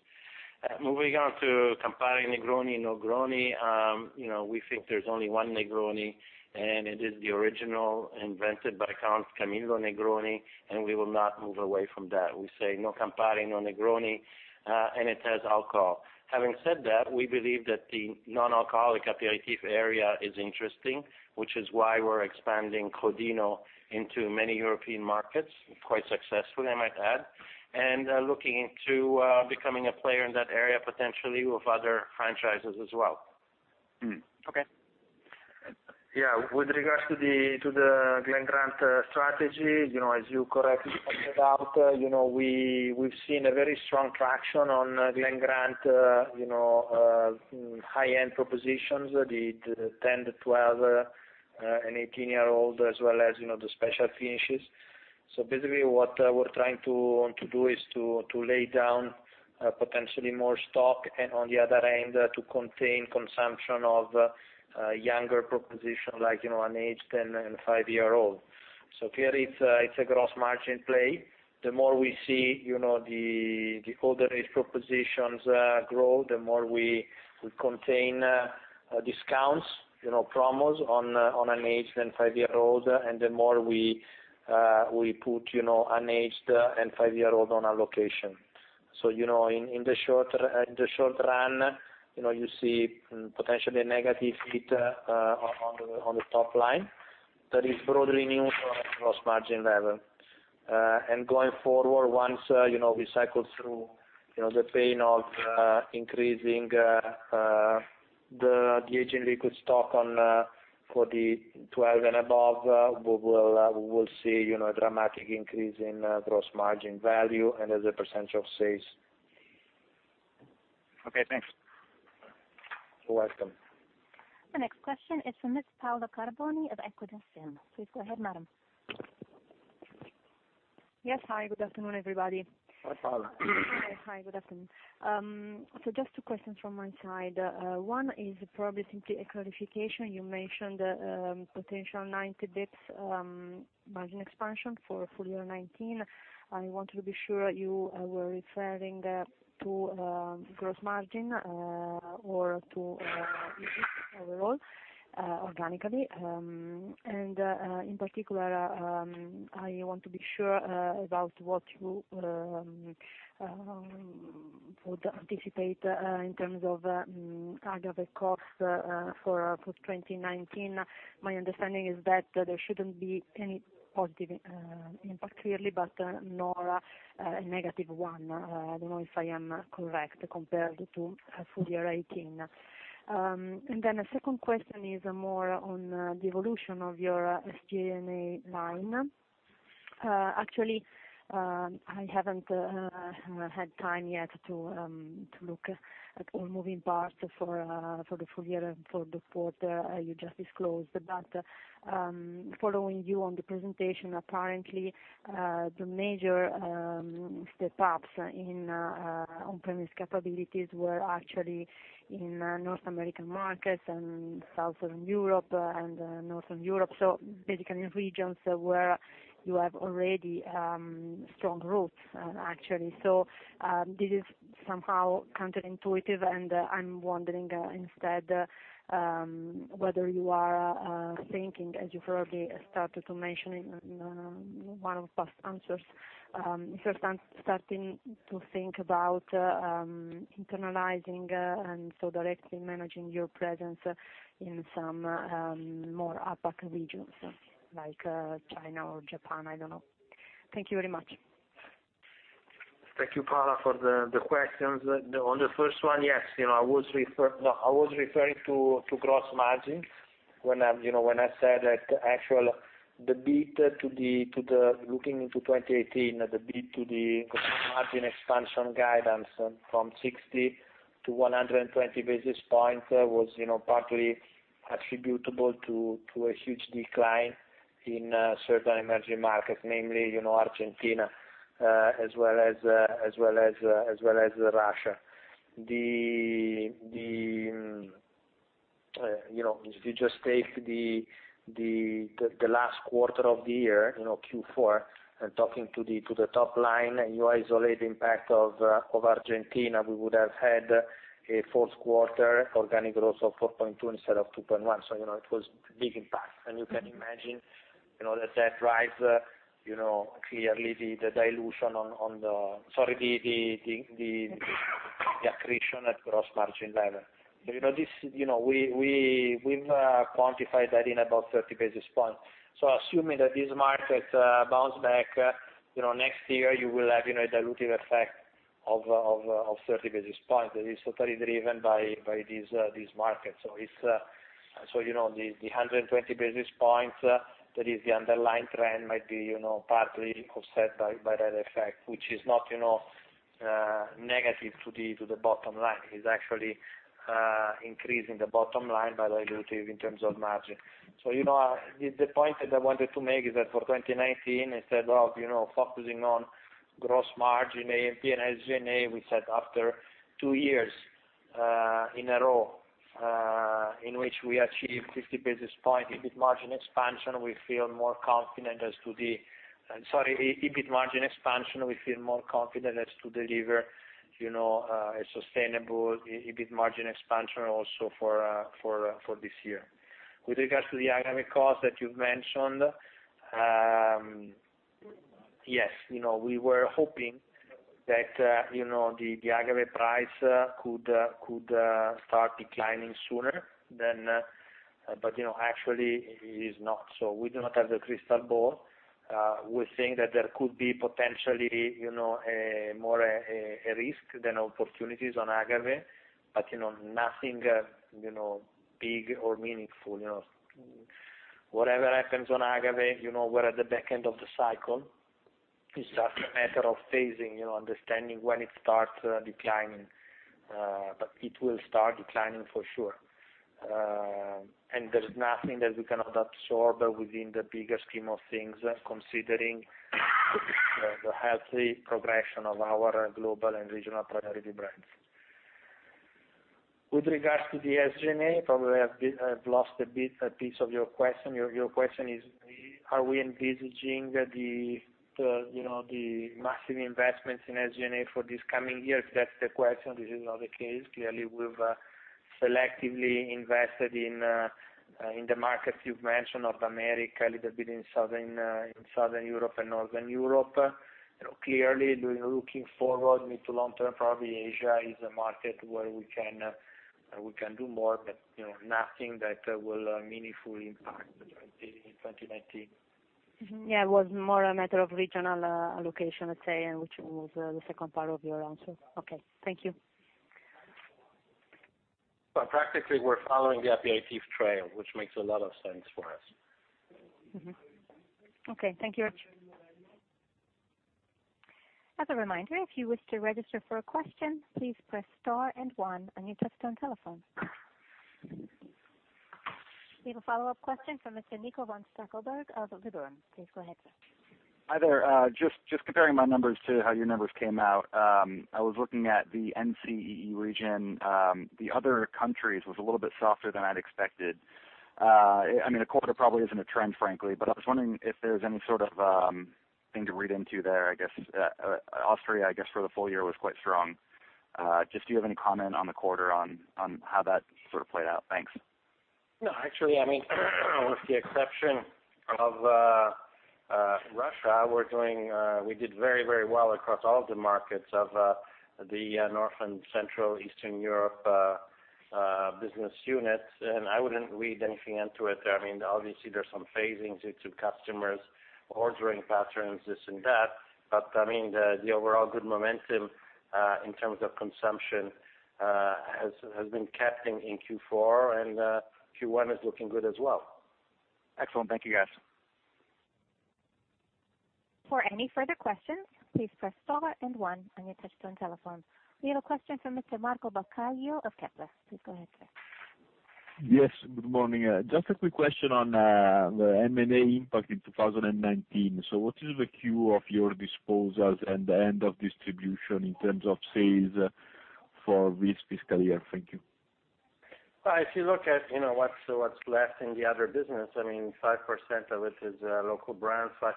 S2: Moving on to Campari Negroni, Nogroni. We think there's only one Negroni, and it is the original invented by Count Camillo Negroni, and we will not move away from that. We say no Campari, no Negroni, and it has alcohol. Having said that, we believe that the non-alcoholic aperitif area is interesting, which is why we're expanding Crodino into many European markets, quite successfully, I might add, and looking into becoming a player in that area, potentially with other franchises as well.
S10: Okay.
S3: Yeah. With regards to the Glen Grant strategy, as you correctly pointed out, we've seen a very strong traction on Glen Grant high-end propositions, the 10-, the 12-, and 18-year-old, as well as the special finishes. Basically, what we're trying to do is to lay down potentially more stock, and on the other end, to contain consumption of younger proposition, like an aged 10- and 5-year-old. Clearly, it's a gross margin play. The more we see the older age propositions grow, the more we contain discounts, promos on an aged 10- and 5-year-old, and the more we put an aged 10- and 5-year-old on allocation. In the short run, you see potentially a negative hit on the top line that is broadly neutral at gross margin level. Going forward, once we cycle through the pain of increasing the aging liquid stock for the 12 and above, we will see a dramatic increase in gross margin value and as a percentage of sales.
S10: Okay, thanks.
S3: You're welcome.
S1: The next question is from Ms. Paola Carboni of Equita SIM. Please go ahead, madam.
S11: Yes. Hi, good afternoon, everybody.
S3: Hi, Paola.
S11: Hi, good afternoon. Just two questions from my side. One is probably simply a clarification. You mentioned potential 90 basis points margin expansion for full year 2019. I wanted to be sure you were referring to gross margin, or to overall, organically. In particular, I want to be sure about what you would anticipate in terms of agave cost for 2019. My understanding is that there shouldn't be any positive impact clearly, but nor a negative one. I don't know if I am correct compared to full year 2018. A second question is more on the evolution of your SG&A line. Actually, I haven't had time yet to look at all moving parts for the full year and for the quarter you just disclosed. Following you on the presentation, apparently, the major step-ups in on-premise capabilities were actually in North American markets and Southern Europe and Northern Europe. Basically, in regions where you have already strong roots actually. This is somehow counterintuitive, and I'm wondering instead, whether you are thinking, as you've probably started to mention in one of the past answers, if you're starting to think about internalizing and so directly managing your presence in some more APAC regions, like China or Japan? I don't know. Thank you very much.
S3: Thank you, Paola, for the questions. On the first one, yes, I was referring to gross margins when I said that actually, looking into 2018, the beat to the gross margin expansion guidance from 60 to 120 basis points was partly attributable to a huge decline in certain emerging markets, namely, Argentina, as well as Russia. If you just take the last quarter of the year, Q4, and talking to the top line, and you isolate impact of Argentina, we would have had a fourth quarter organic growth of 4.2 instead of 2.1. It was a big impact. You can imagine that rise, clearly the accretion at gross margin level. We've quantified that in about 30 basis points. Assuming that this market bounce back, next year, you will have a dilutive effect of 30 basis points that is totally driven by these markets. The 120 basis points, that is the underlying trend, might be partly offset by that effect, which is not negative to the bottom line. It's actually increasing the bottom line by dilutive in terms of margin. The point that I wanted to make is that for 2019, instead of focusing on gross margin, A&P, and SG&A, we said after two years in a row in which we achieved 50 basis point EBIT margin expansion, we feel more confident as to deliver a sustainable EBIT margin expansion also for this year. With regards to the agave cost that you've mentioned, yes, we were hoping that the agave price could start declining sooner. Actually, it is not. We do not have the crystal ball. We're saying that there could be potentially, more a risk than opportunities on agave, but nothing big or meaningful. Whatever happens on agave, we're at the back end of the cycle. It's just a matter of phasing, understanding when it starts declining. It will start declining for sure. There's nothing that we cannot absorb within the bigger scheme of things, considering the healthy progression of our global and regional priority brands. With regards to the SG&A, probably I've lost a piece of your question. Your question is, are we envisaging the massive investments in SG&A for these coming years? If that's the question, this is not the case. Clearly, we've selectively invested in the markets you've mentioned, North America, a little bit in Southern Europe and Northern Europe.
S2: Clearly, looking forward mid to long term, probably Asia is a market where we can do more, but nothing that will meaningfully impact 2019.
S11: Yeah, it was more a matter of regional allocation, let's say, which was the second part of your answer. Okay, thank you.
S2: Well, practically, we're following the aperitif trail, which makes a lot of sense for us.
S11: Mm-hmm. Okay, thank you very much.
S1: As a reminder, if you wish to register for a question, please press star 1 on your touch-tone telephone. We have a follow-up question from Mr. Niko von Stackelberg of Liberum. Please go ahead, sir.
S10: Hi there. Just comparing my numbers to how your numbers came out. I was looking at the NCEE region. The other countries was a little bit softer than I'd expected. A quarter probably isn't a trend, frankly, but I was wondering if there's any sort of thing to read into there, I guess, Austria, I guess, for the full year was quite strong. Just do you have any comment on the quarter on, how that sort of played out? Thanks.
S2: No, actually, with the exception of Russia, we did very well across all the markets of the North and Central Eastern Europe business units. I wouldn't read anything into it there. Obviously, there is some phasings into customers, ordering patterns, this and that, but the overall good momentum in terms of consumption has been kept in Q4, and Q1 is looking good as well.
S10: Excellent. Thank you, guys.
S1: For any further questions, please press star and one on your touch-tone telephone. We have a question from Mr. Marco Baccaglio of Kepler Cheuvreux. Please go ahead, sir.
S12: Good morning. Just a quick question on the M&A impact in 2019. What is the queue of your disposals and the end of distribution in terms of sales for this fiscal year? Thank you.
S2: If you look at what's left in the other business, 5% of it is local brands, 5%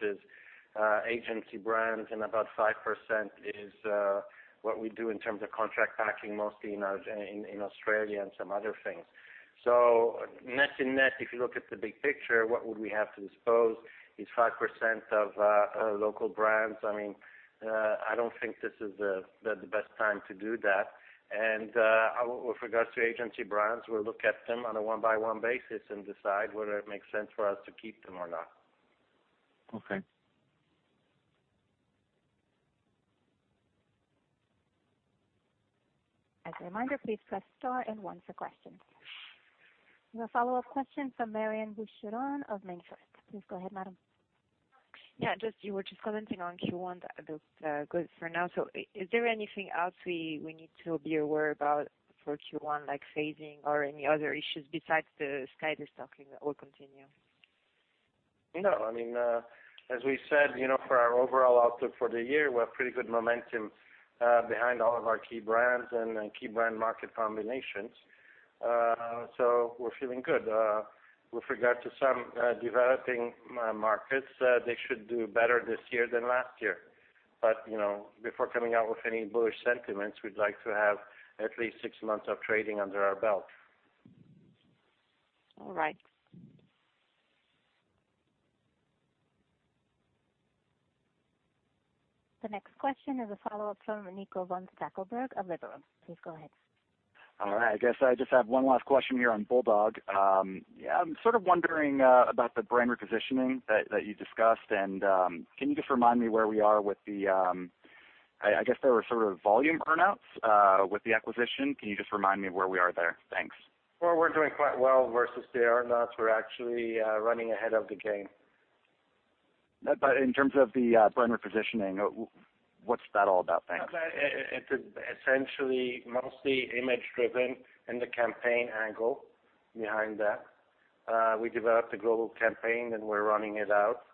S2: is agency brands, and about 5% is what we do in terms of contract packing, mostly in Australia and some other things. Net, if you look at the big picture, what would we have to dispose is 5% of local brands. I don't think this is the best time to do that. With regards to agency brands, we'll look at them on a one-by-one basis and decide whether it makes sense for us to keep them or not.
S12: Okay.
S1: As a reminder, please press star and one for questions. We have a follow-up question from Marion Cohet-Boucheron of MainFirst. Please go ahead, madam.
S8: Yeah. You were just commenting on Q1 that looked good for now. Is there anything else we need to be aware about for Q1, like phasing or any other issues besides the Skyy stocking that will continue?
S2: No. As we said, for our overall outlook for the year, we have pretty good momentum behind all of our key brands and key brand market combinations. We're feeling good. With regard to some developing markets, they should do better this year than last year. But, before coming out with any bullish sentiments, we'd like to have at least six months of trading under our belt.
S8: All right.
S1: The next question is a follow-up from Nico von Stackelberg of Liberum. Please go ahead.
S10: All right. I guess I just have one last question here on Bulldog. I'm sort of wondering about the brand repositioning that you discussed, and can you just remind me where we are with the I guess there were sort of volume earnouts with the acquisition. Can you just remind me where we are there? Thanks.
S2: Well, we're doing quite well versus the earn outs. We're actually running ahead of the game.
S10: In terms of the brand repositioning, what's that all about? Thanks.
S2: It is essentially mostly image-driven and the campaign angle behind that. We developed a global campaign, and we're running it out.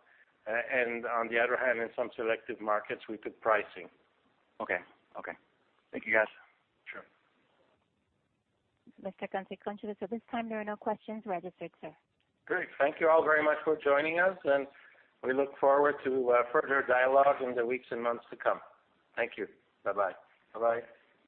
S2: On the other hand, in some selected markets, we did pricing.
S10: Okay. Thank you, guys.
S2: Sure.
S1: Mr. Concewitz, considering at this time there are no questions registered, sir.
S2: Great. Thank you all very much for joining us. We look forward to further dialogue in the weeks and months to come. Thank you. Bye-bye. Bye-bye.